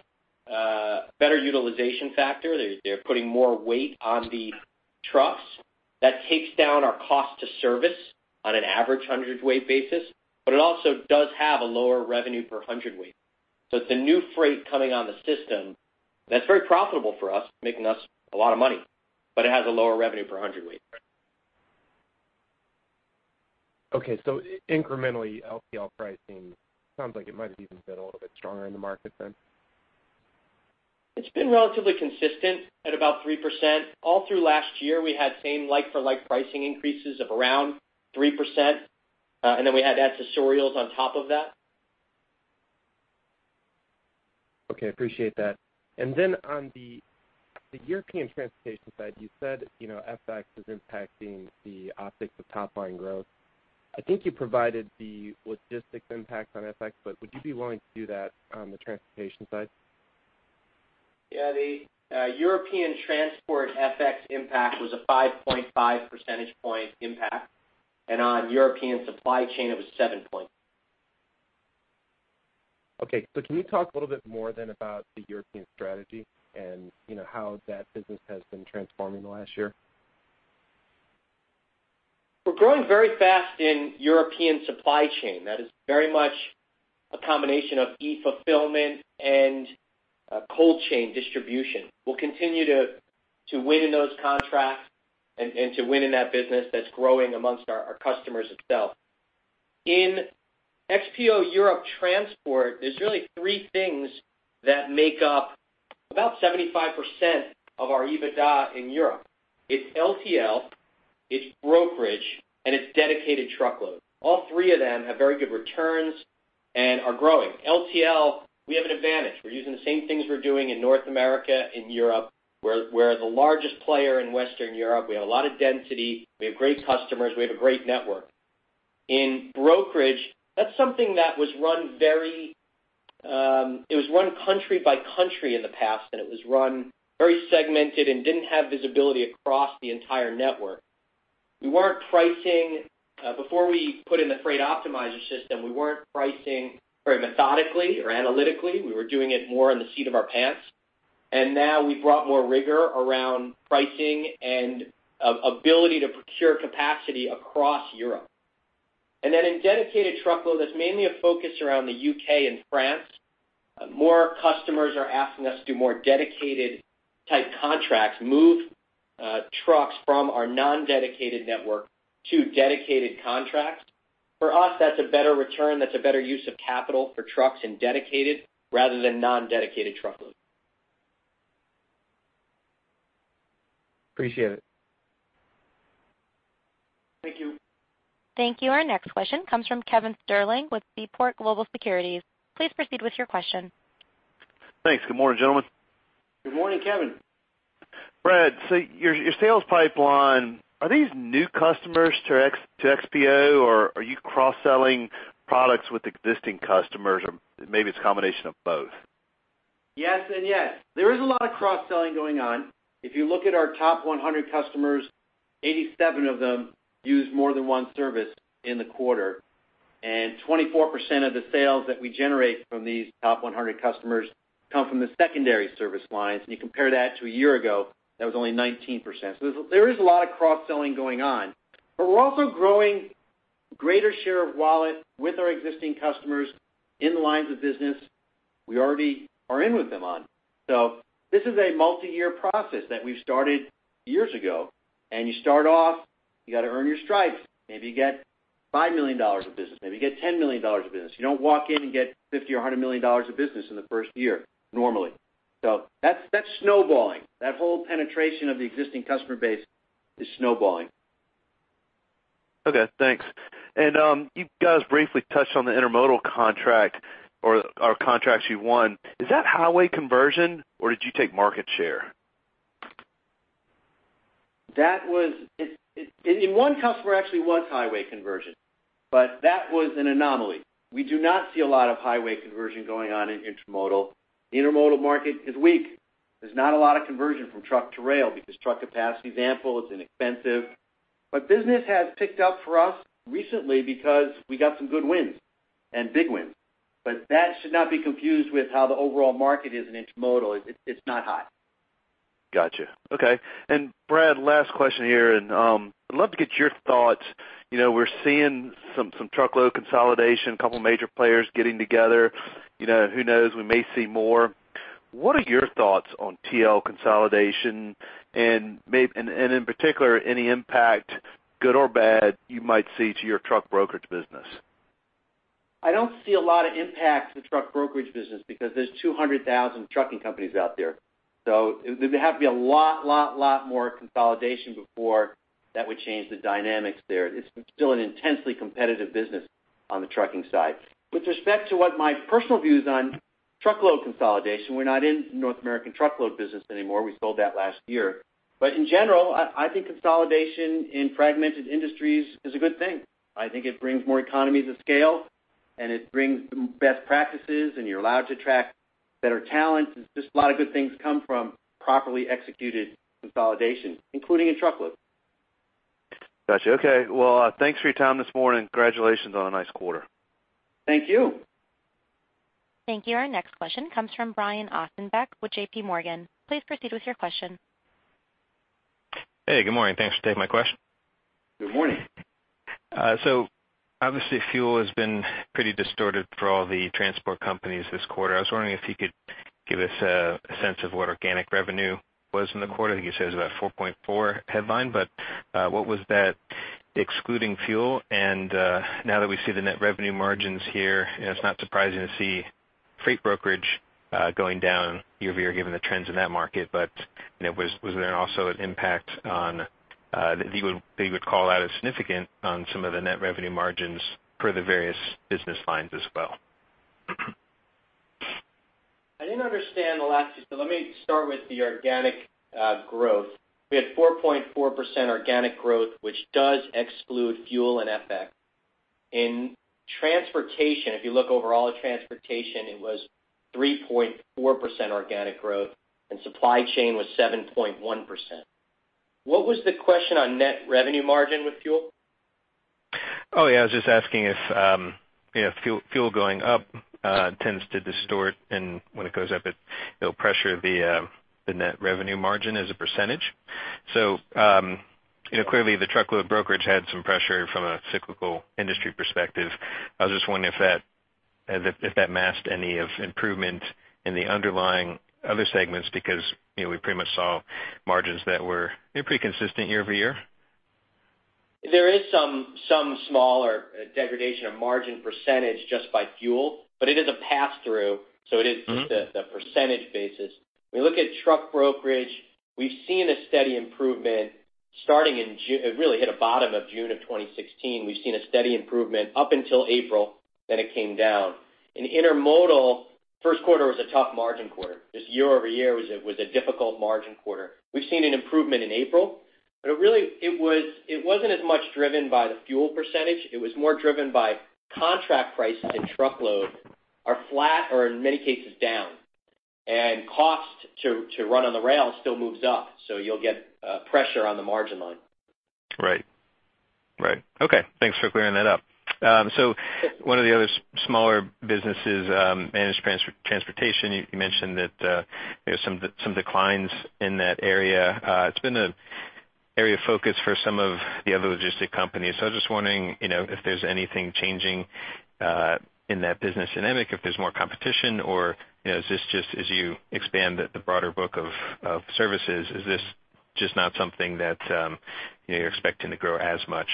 better utilization factor. They're putting more weight on the trucks. That takes down our cost to service on an average hundredweight basis, but it also does have a lower revenue per hundredweight. So it's a new freight coming on the system that's very profitable for us, making us a lot of money, but it has a lower revenue per hundredweight. Okay, so incrementally, LTL pricing sounds like it might have even been a little bit stronger in the market then? It's been relatively consistent at about 3%. All through last year, we had same like-for-like pricing increases of around 3%, and then we had accessorials on top of that. Okay, appreciate that. And then on the European transportation side, you said, you know, FX is impacting the optics of top-line growth. I think you provided the logistics impact on FX, but would you be willing to do that on the transportation side? Yeah. The European transport FX impact was a 5.5 percentage point impact, and on European supply chain, it was 7 points. Okay. So can you talk a little bit more then about the European strategy and, you know, how that business has been transforming in the last year? We're growing very fast in European supply chain. That is very much a combination of e-fulfillment and cold chain distribution. We'll continue to win in those contracts and to win in that business that's growing among our customers itself. In XPO Europe transport, there's really three things that make up about 75% of our EBITDA in Europe. It's LTL, it's brokerage, and it's dedicated truckload. All three of them have very good returns and are growing. LTL, we have an advantage. We're using the same things we're doing in North America and Europe. We're the largest player in Western Europe. We have a lot of density. We have great customers. We have a great network. In brokerage, that's something that was run very—it was run country by country in the past, and it was run very segmented and didn't have visibility across the entire network. We weren't pricing—before we put in the Freight Optimizer system, we weren't pricing very methodically or analytically. We were doing it more in the seat of our pants. And now we've brought more rigor around pricing and ability to procure capacity across Europe. And then in dedicated truckload, that's mainly a focus around the UK and France. More customers are asking us to do more dedicated type contracts, move trucks from our non-dedicated network to dedicated contracts. For us, that's a better return, that's a better use of capital for trucks and dedicated rather than non-dedicated truckload. Appreciate it. Thank you. Thank you. Our next question comes from Kevin Sterling with Seaport Global Securities. Please proceed with your question. Thanks. Good morning, gentlemen. Good morning, Kevin. Brad, so your sales pipeline, are these new customers to XPO, or are you cross-selling products with existing customers? Or maybe it's a combination of both. Yes and yes. There is a lot of cross-selling going on. If you look at our top 100 customers, 87 of them use more than one service in the quarter, and 24% of the sales that we generate from these top 100 customers come from the secondary service lines, and you compare that to a year ago, that was only 19%. So there's, there is a lot of cross-selling going on. But we're also growing greater share of wallet with our existing customers in the lines of business we already are in with them on. So this is a multi-year process that we've started years ago, and you start off, you got to earn your stripes. Maybe you get $5 million of business, maybe you get $10 million of business. You don't walk in and get $50 million or $100 million of business in the first year, normally. That's, that's snowballing. That whole penetration of the existing customer base is snowballing. Okay, thanks. And, you guys briefly touched on the intermodal contract or, or contracts you won. Is that highway conversion, or did you take market share? That was in one customer, actually was highway conversion, but that was an anomaly. We do not see a lot of highway conversion going on in intermodal. The intermodal market is weak. There's not a lot of conversion from truck to rail because truck capacity is ample, it's inexpensive. But business has picked up for us recently because we got some good wins and big wins, but that should not be confused with how the overall market is in intermodal. It's not high. Gotcha. Okay. And Brad, last question here, and, I'd love to get your thoughts. You know, we're seeing some truckload consolidation, a couple major players getting together. You know, who knows? We may see more. What are your thoughts on TL consolidation and may- and, and in particular, any impact, good or bad, you might see to your truck brokerage business? I don't see a lot of impact to the truck brokerage business because there's 200,000 trucking companies out there. So there'd have to be a lot, lot, lot more consolidation before that would change the dynamics there. It's still an intensely competitive business on the trucking side. With respect to what my personal views on truckload consolidation, we're not in North American truckload business anymore. We sold that last year. But in general, I, I think consolidation in fragmented industries is a good thing. I think it brings more economies of scale, and it brings best practices, and you're allowed to attract better talent. It's just a lot of good things come from properly executed consolidation, including in truckload. Gotcha. Okay. Well, thanks for your time this morning. Congratulations on a nice quarter. Thank you. Thank you. Our next question comes from Brian Ossenbeck with J.P. Morgan. Please proceed with your question. Hey, good morning. Thanks for taking my question. Good morning. So obviously, fuel has been pretty distorted for all the transport companies this quarter. I was wondering if you could give us a sense of what organic revenue was in the quarter. I think you said it was about 4.4 headline, but what was that excluding fuel? And now that we see the net revenue margins here, it's not surprising to see freight brokerage going down year-over-year, given the trends in that market. But you know, was there also an impact on that they would call out as significant on some of the net revenue margins for the various business lines as well? I didn't understand the last, so let me start with the organic growth. We had 4.4% organic growth, which does exclude fuel and FX. In transportation, if you look overall at transportation, it was 3.4% organic growth, and supply chain was 7.1%. What was the question on net revenue margin with fuel? Oh, yeah, I was just asking if, you know, fuel going up tends to distort, and when it goes up, it'll pressure the net revenue margin as a percentage. So, you know, clearly the truckload brokerage had some pressure from a cyclical industry perspective. I was just wondering if that masked any of improvement in the underlying other segments, because, you know, we pretty much saw margins that were, you know, pretty consistent year over year. There is some smaller degradation of margin percentage just by fuel, but it is a pass-through, so it is just a percentage basis. We look at truck brokerage, we've seen a steady improvement starting in June; it really hit a bottom in June of 2016. We've seen a steady improvement up until April, then it came down. In intermodal, Q1 was a tough margin quarter. This year-over-year was a difficult margin quarter. We've seen an improvement in April, but it really wasn't as much driven by the fuel percentage. It was more driven by contract prices in truckload are flat or in many cases, down. And cost to run on the rail still moves up, so you'll get pressure on the margin line. Right. Right. Okay, thanks for clearing that up. So one of the other smaller businesses, managed transportation, you mentioned that, you know, some declines in that area. It's been an area of focus for some of the other logistics companies. So I was just wondering, you know, if there's anything changing in that business dynamic, if there's more competition, or, you know, is this just as you expand the broader book of services, is this just not something that you're expecting to grow as much?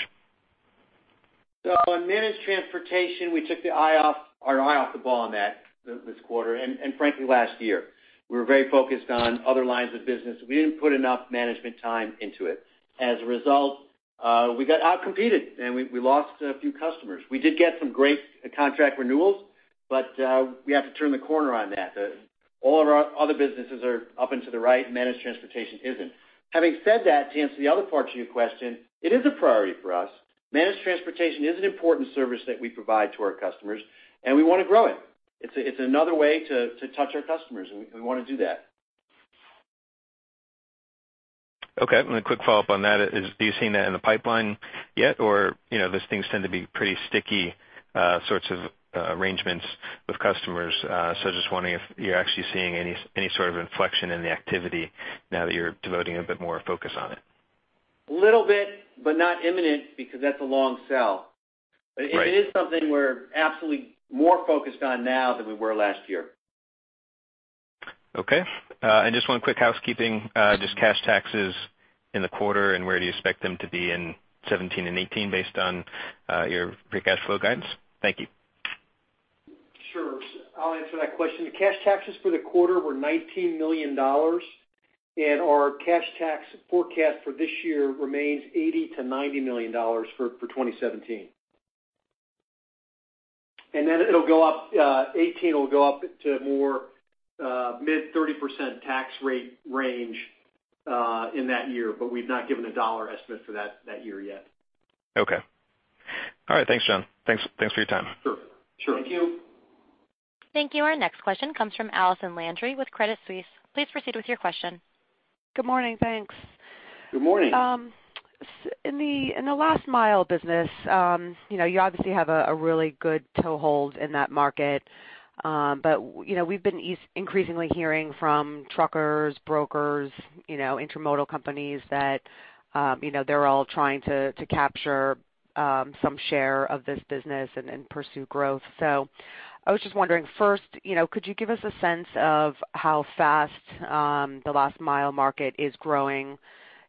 So in managed transportation, we took our eye off the ball on that this quarter, and frankly, last year. We were very focused on other lines of business. We didn't put enough management time into it. As a result, we got out-competed, and we lost a few customers. We did get some great contract renewals, but we have to turn the corner on that. All of our other businesses are up and to the right; managed transportation isn't. Having said that, to answer the other part of your question, it is a priority for us. Managed transportation is an important service that we provide to our customers, and we want to grow it. It's another way to touch our customers, and we want to do that. Okay. And a quick follow-up on that. Are you seeing that in the pipeline yet? Or, you know, those things tend to be pretty sticky sorts of arrangements with customers. So just wondering if you're actually seeing any, any sort of inflection in the activity now that you're devoting a bit more focus on it. Little bit, but not imminent, because that's a long sell. Right. But it is something we're absolutely more focused on now than we were last year. Okay. And just one quick housekeeping, just cash taxes in the quarter, and where do you expect them to be in 2017 and 2018, based on your Free Cash Flow guidance? Thank you. Sure. I'll answer that question. The cash taxes for the quarter were $19 million, and our cash tax forecast for this year remains $80 million-$90 million for 2017. And then it'll go up, 2018 will go up to more, mid-30% tax rate range, in that year, but we've not given a dollar estimate for that year yet. Okay. All right. Thanks, John. Thanks, thanks for your time. Sure. Sure. Thank you. Thank you. Our next question comes from Allison Landry with Credit Suisse. Please proceed with your question. Good morning. Thanks. Good morning. In the last mile business, you know, you obviously have a really good toehold in that market. But, you know, we've been increasingly hearing from truckers, brokers, you know, intermodal companies that, you know, they're all trying to capture some share of this business and pursue growth. So I was just wondering, first, you know, could you give us a sense of how fast the last mile market is growing,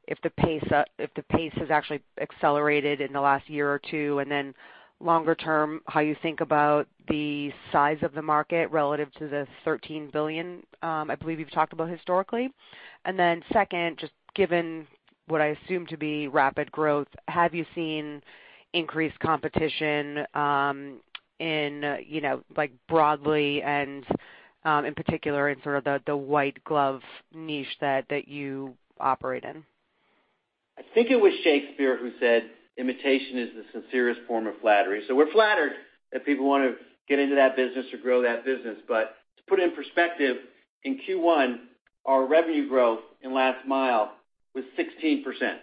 if the pace has actually accelerated in the last year or two? And then longer term, how you think about the size of the market relative to the $13 billion, I believe you've talked about historically. And then second, just given what I assume to be rapid growth, have you seen increased competition, in, you know, like broadly and, in particular, in sort of the white glove niche that you operate in? I think it was Shakespeare who said, "Imitation is the sincerest form of flattery." So we're flattered that people want to get into that business or grow that business. But to put it in perspective, in Q1, our revenue growth in last mile was 16%.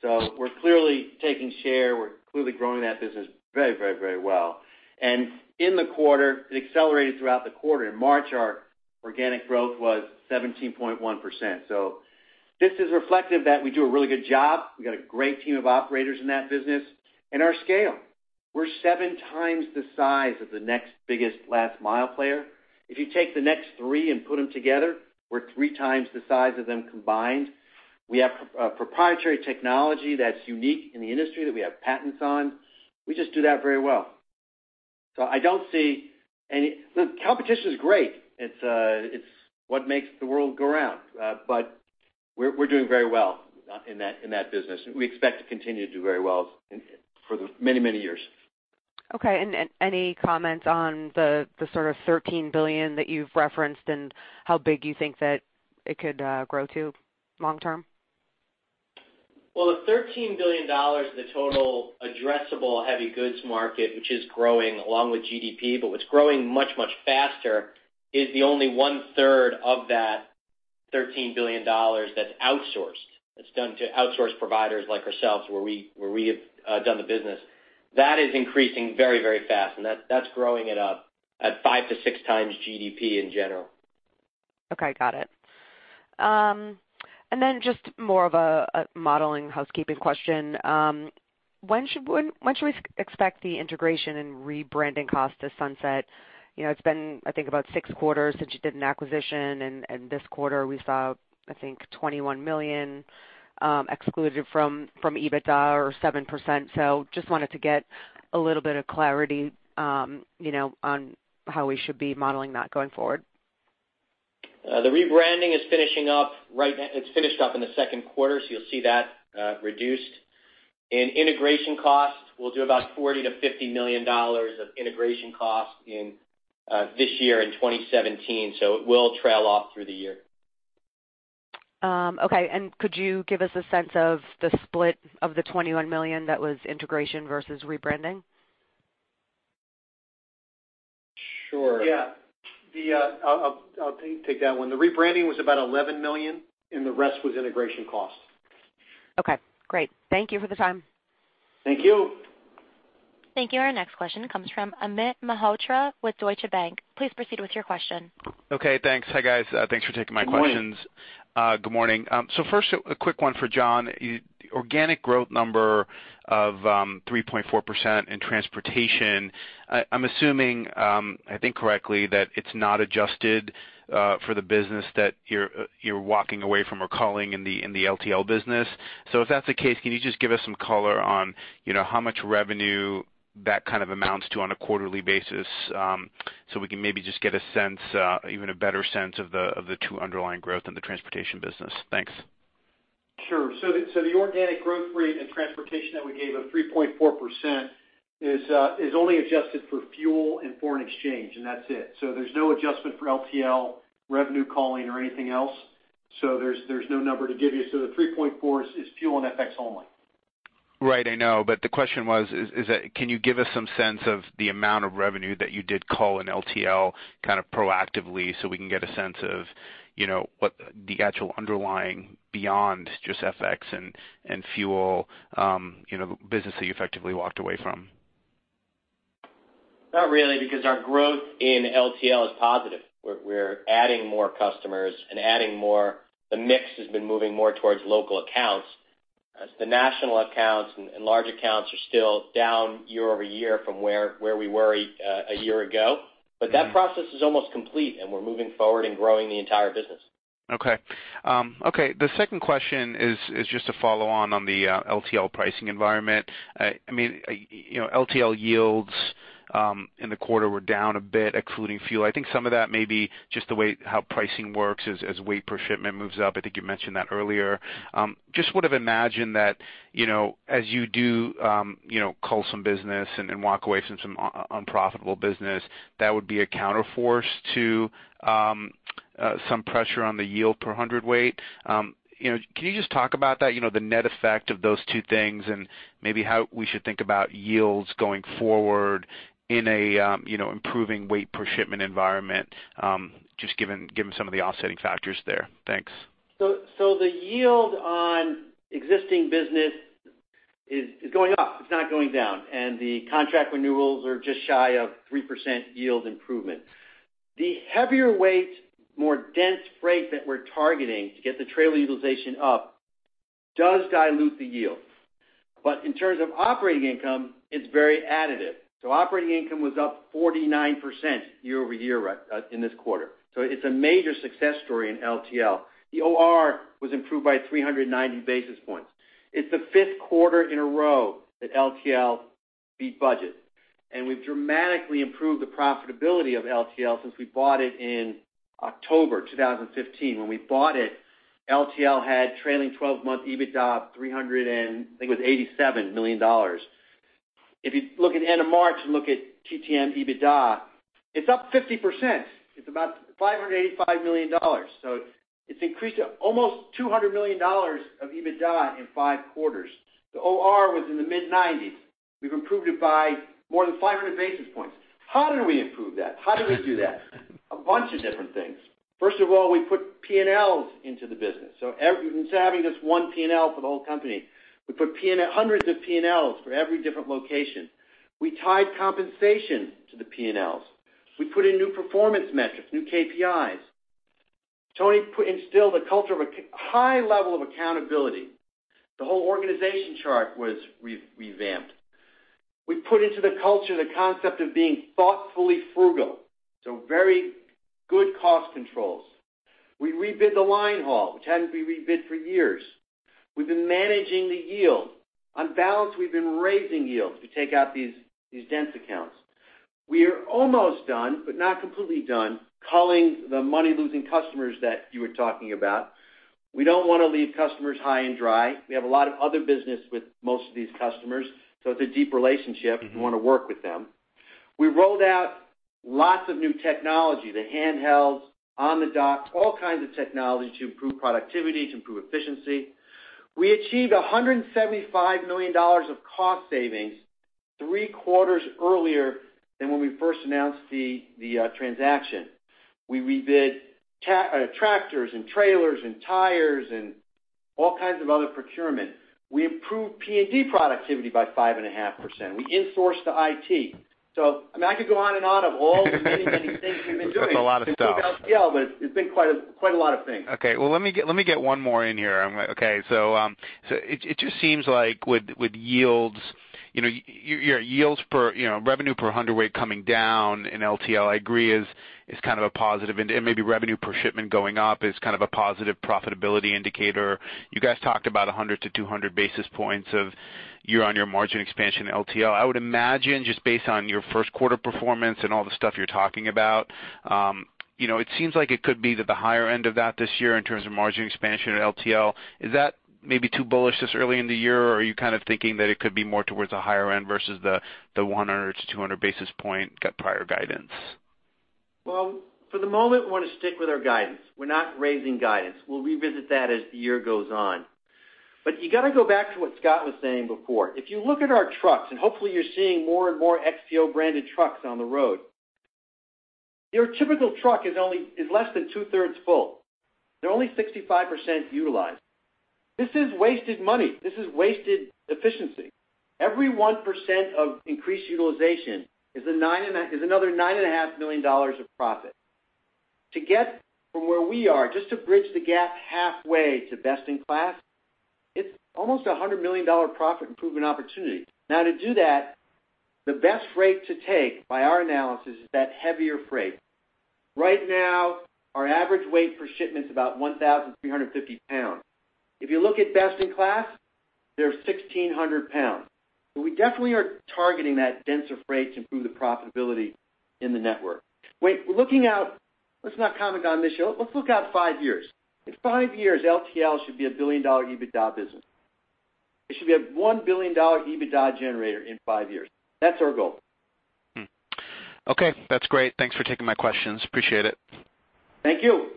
So we're clearly taking share. We're clearly growing that business very, very, very well. And in the quarter, it accelerated throughout the quarter. In March, our organic growth was 17.1%. So this is reflective that we do a really good job. We got a great team of operators in that business, and our scale. We're 7x the size of the next biggest last mile player. If you take the next three and put them together, we're 3x the size of them combined. We have proprietary technology that's unique in the industry that we have patents on. We just do that very well. So I don't see any... Look, competition is great. It's, it's what makes the world go round, but we're, we're doing very well in that, in that business. We expect to continue to do very well in, for many, many years. Okay. And any comments on the sort of $13 billion that you've referenced and how big you think that it could grow to long term? Well, the $13 billion is the total addressable heavy goods market, which is growing along with GDP, but what's growing much, much faster is the only one third of that $13 billion that's outsourced. That's done to outsourced providers like ourselves, where we have done the business. That is increasing very, very fast, and that's growing it up at 5-6 times GDP in general. Okay, got it. And then just more of a modeling housekeeping question. When should we expect the integration and rebranding cost to sunset? You know, it's been, I think, about six quarters since you did an acquisition, and this quarter, we saw, I think, $21 million excluded from EBITDA or 7%. So just wanted to get a little bit of clarity, you know, on how we should be modeling that going forward. The rebranding is finishing up right now. It's finished up in the Q2, so you'll see that reduced. And integration costs, we'll do about $40 million-$50 million of integration costs in this year in 2017, so it will trail off through the year. Okay. And could you give us a sense of the split of the $21 million that was integration versus rebranding? Sure. Yeah. The... I'll take that one. The rebranding was about $11 million, and the rest was integration costs. Okay, great. Thank you for the time. Thank you. Thank you. Our next question comes from Amit Mehrotra with Deutsche Bank. Please proceed with your question. Okay, thanks. Hi, guys. Thanks for taking my questions. Good morning. Good morning. So first, a quick one for John. Organic growth number of 3.4% in transportation, I'm assuming I think correctly, that it's not adjusted for the business that you're walking away from or culling in the LTL business. So if that's the case, can you just give us some color on, you know, how much revenue that kind of amounts to on a quarterly basis, so we can maybe just get a sense, even a better sense of the true underlying growth in the transportation business? Thanks. Sure. So the organic growth rate in transportation that we gave of 3.4% is only adjusted for fuel and foreign exchange, and that's it. So there's no adjustment for LTL revenue culling, or anything else. So there's no number to give you. So the 3.4 is fuel and FX only. Right, I know. But the question was, is, is that, can you give us some sense of the amount of revenue that you did cull in LTL kind of proactively, so we can get a sense of, you know, what the actual underlying beyond just FX and, and fuel, you know, business that you effectively walked away from? Not really, because our growth in LTL is positive. We're adding more customers and adding more. The mix has been moving more towards local accounts. As the national accounts and large accounts are still down year-over-year from where we were a year ago. But that process is almost complete, and we're moving forward and growing the entire business. Okay. Okay, the second question is just to follow on the LTL pricing environment. I mean, you know, LTL yields in the quarter were down a bit, excluding fuel. I think some of that may be just the way how pricing works as weight per shipment moves up. I think you mentioned that earlier. Just would have imagined that, you know, as you do, you know, cull some business and walk away from some unprofitable business, that would be a counterforce to some pressure on the yield per hundredweight. You know, can you just talk about that, you know, the net effect of those two things, and maybe how we should think about yields going forward in a, you know, improving weight per shipment environment, just given some of the offsetting factors there? Thanks. So the yield on existing business is going up, it's not going down, and the contract renewals are just shy of 3% yield improvement. The heavier weight, more dense freight that we're targeting to get the trailer utilization up does dilute the yield. But in terms of operating income, it's very additive. So operating income was up 49% year-over-year in this quarter. So it's a major success story in LTL. The OR was improved by 390 basis points. It's the fifth quarter in a row that LTL beat budget, and we've dramatically improved the profitability of LTL since we bought it in October 2015. When we bought it, LTL had trailing twelve-month EBITDA of $387 million, I think. If you look at end of March and look at TTM EBITDA, it's up 50%. It's about $585 million. So it's increased to almost $200 million of EBITDA in 5 quarters. The OR was in the mid-90s. We've improved it by more than 500 basis points. How did we improve that? How did we do that? A bunch of different things. First of all, we put P&Ls into the business. So every instead of having this one P&L for the whole company, we put P&Ls, hundreds of P&Ls for every different location. We tied compensation to the P&Ls. We put in new performance metrics, new KPIs. Tony instilled a culture of a high level of accountability. The whole organization chart was revamped. We put into the culture the concept of being thoughtfully frugal, so very good cost controls. We rebid the line haul, which hadn't been rebid for years. We've been managing the yield. On balance, we've been raising yields to take out these, these dense accounts. We are almost done, but not completely done, culling the money-losing customers that you were talking about. We don't want to leave customers high and dry. We have a lot of other business with most of these customers, so it's a deep relationship. We want to work with them. We rolled out lots of new technology, the handhelds, on the dock, all kinds of technology to improve productivity, to improve efficiency. We achieved $175 million of cost savings three quarters earlier than when we first announced the transaction. We rebid tractors and trailers and tires and all kinds of other procurement. We improved P&D productivity by 5.5%. We insourced the IT. So, I mean, I could go on and on of all the many, many things we've been doing- That's a lot of stuff. to improve LTL, but it's been quite a lot of things. Okay, well, let me get, let me get one more in here. Okay, so, so it just seems like with yields, you know, your yields per, you know, revenue per hundredweight coming down in LTL, I agree, is kind of a positive, and maybe revenue per shipment going up is kind of a positive profitability indicator. You guys talked about 100-200 basis points of year-on-year margin expansion in LTL. I would imagine, just based on your Q1 performance and all the stuff you're talking about, you know, it seems like it could be that the higher end of that this year in terms of margin expansion at LTL. Is that maybe too bullish this early in the year, or are you kind of thinking that it could be more towards the higher end versus the 100-200 basis points prior guidance? Well, for the moment, we want to stick with our guidance. We're not raising guidance. We'll revisit that as the year goes on. But you got to go back to what Scott was saying before. If you look at our trucks, and hopefully you're seeing more and more XPO-branded trucks on the road. Your typical truck is only, is less than two-thirds full. They're only 65% utilized. This is wasted money. This is wasted efficiency. Every 1% of increased utilization is another $9.5 million of profit. To get from where we are, just to bridge the gap halfway to best in class, it's almost a $100 million profit improvement opportunity. Now, to do that, the best rate to take, by our analysis, is that heavier freight. Right now, our average weight per shipment is about 1,350 lbs. If you look at best in class, they're 1,600 lbs. So we definitely are targeting that denser freight to improve the profitability in the network. Wait, we're looking out. Let's not comment on this show. Let's look out five years. In five years, LTL should be a billion-dollar EBITDA business. It should be a $1 billion EBITDA generator in five years. That's our goal. Mm-hmm. Okay, that's great. Thanks for taking my questions. Appreciate it. Thank you.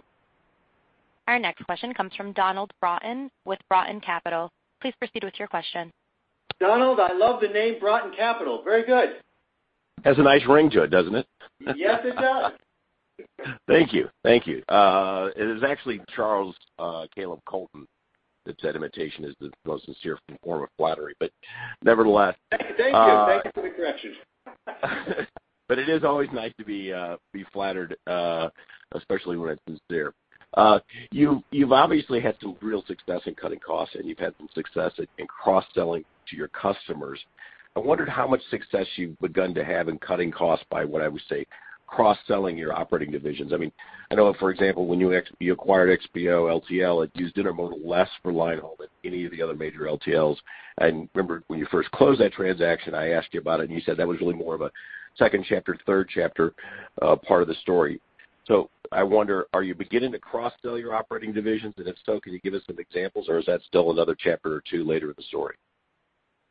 Our next question comes from Donald Broughton with Broughton Capital. Please proceed with your question. Donald, I love the name Broughton Capital. Very good. Has a nice ring to it, doesn't it? Yes, it does. Thank you. Thank you. It is actually Charles Caleb Colton that said, "Imitation is the most sincere form of flattery." But nevertheless- Thank you. Thank you for the correction. But it is always nice to be flattered, especially when it's fair. You've obviously had some real success in cutting costs, and you've had some success in cross-selling to your customers. I wondered how much success you've begun to have in cutting costs by what I would say, cross-selling your operating divisions. I mean, I know, for example, when you acquired XPO LTL, it used Intermodal less for line haul than any of the other major LTLs. And remember, when you first closed that transaction, I asked you about it, and you said that was really more of a second chapter, third chapter, part of the story. So I wonder, are you beginning to cross-sell your operating divisions? And if so, could you give us some examples, or is that still another chapter or two later in the story?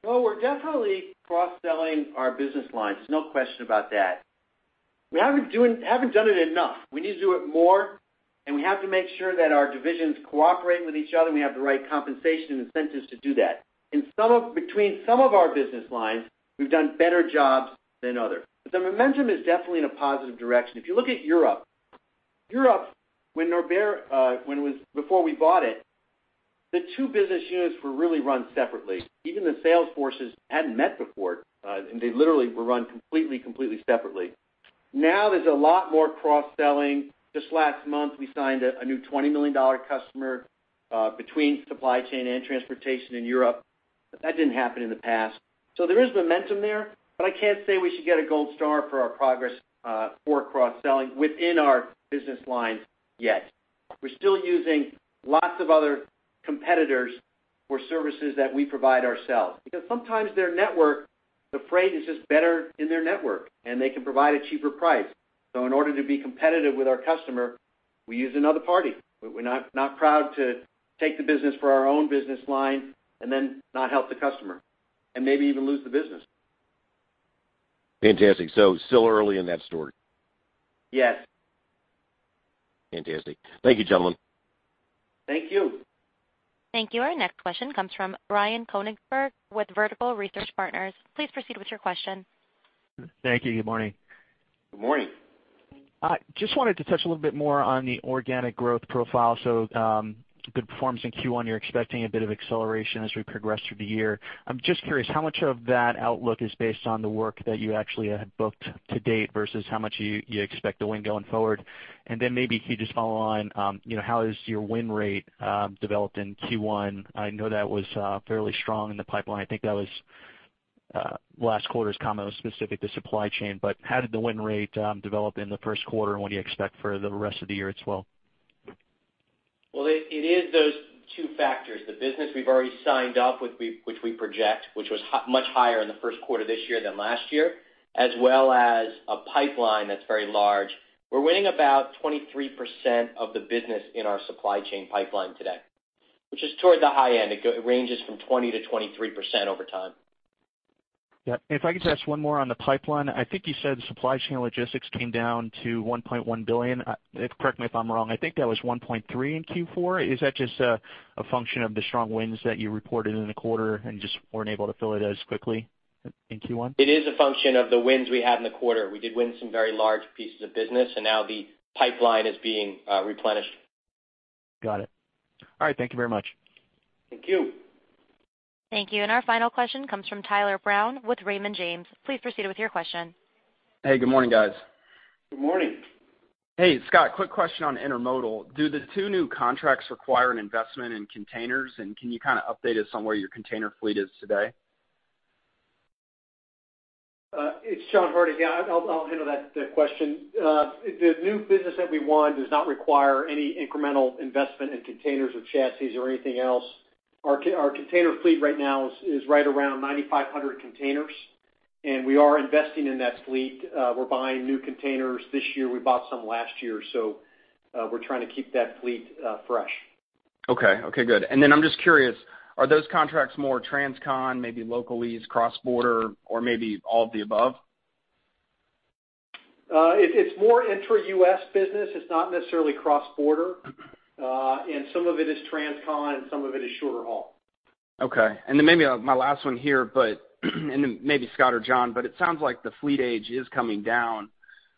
Well, we're definitely cross-selling our business lines, no question about that. We haven't done it enough. We need to do it more, and we have to make sure that our divisions cooperate with each other, and we have the right compensation and incentives to do that. Between some of our business lines, we've done better jobs than others, but the momentum is definitely in a positive direction. If you look at Europe, Europe, when Norbert was before we bought it, the two business units were really run separately. Even the sales forces hadn't met before, and they literally were run completely, completely separately. Now, there's a lot more cross-selling. Just last month, we signed a new $20 million customer between supply chain and transportation in Europe. But that didn't happen in the past. So there is momentum there, but I can't say we should get a gold star for our progress for cross-selling within our business lines yet. We're still using lots of other competitors for services that we provide ourselves, because sometimes their network, the freight is just better in their network, and they can provide a cheaper price. So in order to be competitive with our customer, we use another party. We're not, not proud to take the business for our own business line and then not help the customer, and maybe even lose the business. Fantastic. So still early in that story? Yes. Fantastic. Thank you, gentlemen. Thank you. Thank you. Our next question comes from Brian Konigsberg, with Vertical Research Partners. Please proceed with your question. Thank you. Good morning. Good morning. Just wanted to touch a little bit more on the organic growth profile. So, good performance in Q1. You're expecting a bit of acceleration as we progress through the year. I'm just curious, how much of that outlook is based on the work that you actually have booked to date, versus how much you expect to win going forward? And then maybe can you just follow on, you know, how is your win rate developed in Q1? I know that was fairly strong in the pipeline. I think that was last quarter's comment was specific to supply chain, but how did the win rate develop in the Q1, and what do you expect for the rest of the year as well? Well, it is those two factors, the business we've already signed up, which we project, which was much higher in the Q1 this year than last year, as well as a pipeline that's very large. We're winning about 23% of the business in our supply chain pipeline today, which is toward the high end. It ranges from 20%-23% over time. Yeah. And if I could ask one more on the pipeline. I think you said supply chain logistics came down to $1.1 billion. Correct me if I'm wrong. I think that was $1.3 billion in Q4. Is that just a function of the strong wins that you reported in the quarter and just weren't able to fill it as quickly in Q1? It is a function of the wins we had in the quarter. We did win some very large pieces of business, and now the pipeline is being replenished. Got it. All right. Thank you very much. Thank you. Thank you. And our final question comes from Tyler Brown with Raymond James. Please proceed with your question. Hey, good morning, guys. Good morning. Hey, Scott, quick question on Intermodal. Do the 2 new contracts require an investment in containers, and can you kind of update us on where your container fleet is today? It's John Hardig. Yeah, I'll handle that question. The new business that we won does not require any incremental investment in containers or chassis or anything else. Our container fleet right now is right around 9,500 containers, and we are investing in that fleet. We're buying new containers this year. We bought some last year, so we're trying to keep that fleet fresh. Okay. Okay, good. And then I'm just curious, are those contracts more transcon, maybe locally, it's cross-border, or maybe all of the above? It's more intra-U.S. business. It's not necessarily cross-border. And some of it is transcon, and some of it is shorter haul.... Okay, and then maybe my last one here, but and then maybe Scott or John, but it sounds like the fleet age is coming down,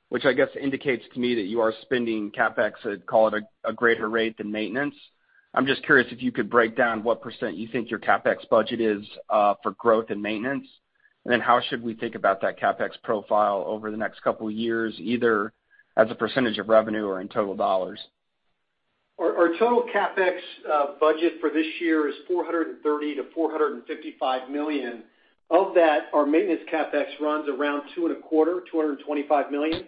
which I guess indicates to me that you are spending CapEx at, call it, a greater rate than maintenance. I'm just curious if you could break down what % you think your CapEx budget is for growth and maintenance, and then how should we think about that CapEx profile over the next couple years, either as a % of revenue or in total dollars? Our total CapEx budget for this year is $400 million-$455 million. Of that, our maintenance CapEx runs around two and a quarter, $225 million.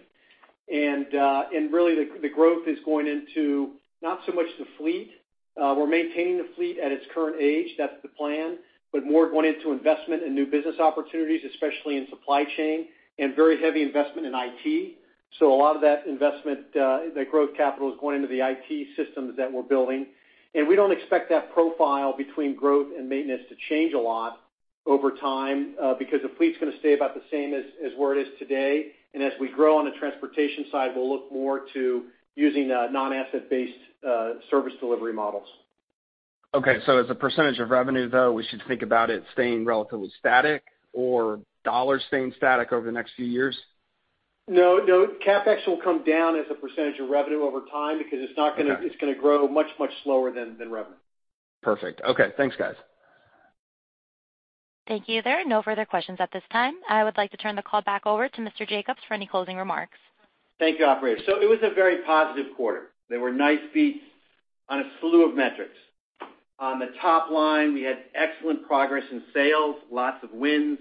And really, the growth is going into not so much the fleet. We're maintaining the fleet at its current age. That's the plan, but more going into investment and new business opportunities, especially in supply chain, and very heavy investment in IT. So a lot of that investment, the growth capital is going into the IT systems that we're building. And we don't expect that profile between growth and maintenance to change a lot over time, because the fleet's gonna stay about the same as where it is today. As we grow on the transportation side, we'll look more to using the non-asset-based service delivery models. Okay, so as a percentage of revenue, though, we should think about it staying relatively static or dollars staying static over the next few years? No, no. CapEx will come down as a percentage of revenue over time because it's not gonna- Okay. It's gonna grow much, much slower than revenue. Perfect. Okay. Thanks, guys. Thank you there. No further questions at this time. I would like to turn the call back over to Mr. Jacobs for any closing remarks. Thank you, operator. It was a very positive quarter. There were nice beats on a slew of metrics. On the top line, we had excellent progress in sales, lots of wins.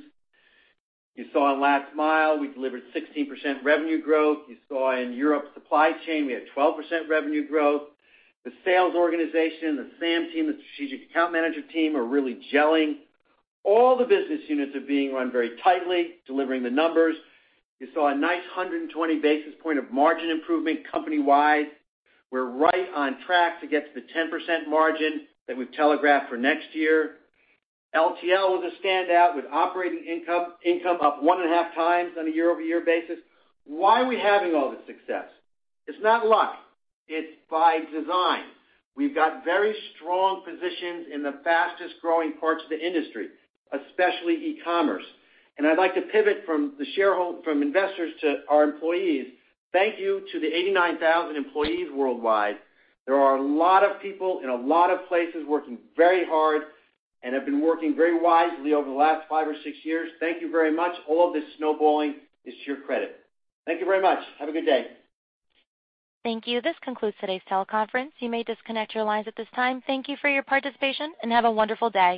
You saw in last mile, we delivered 16% revenue growth. You saw in Europe supply chain, we had 12% revenue growth. The sales organization, the SAM team, the strategic account manager team, are really gelling. All the business units are being run very tightly, delivering the numbers. You saw a nice 120 basis point of margin improvement company-wide. We're right on track to get to the 10% margin that we've telegraphed for next year. LTL was a standout, with operating income up 1.5 times on a year-over-year basis. Why are we having all this success? It's not luck. It's by design. We've got very strong positions in the fastest-growing parts of the industry, especially e-commerce. I'd like to pivot from investors to our employees. Thank you to the 89,000 employees worldwide. There are a lot of people in a lot of places working very hard and have been working very wisely over the last five or six years. Thank you very much. All of this snowballing is to your credit. Thank you very much. Have a good day. Thank you. This concludes today's teleconference. You may disconnect your lines at this time. Thank you for your participation, and have a wonderful day.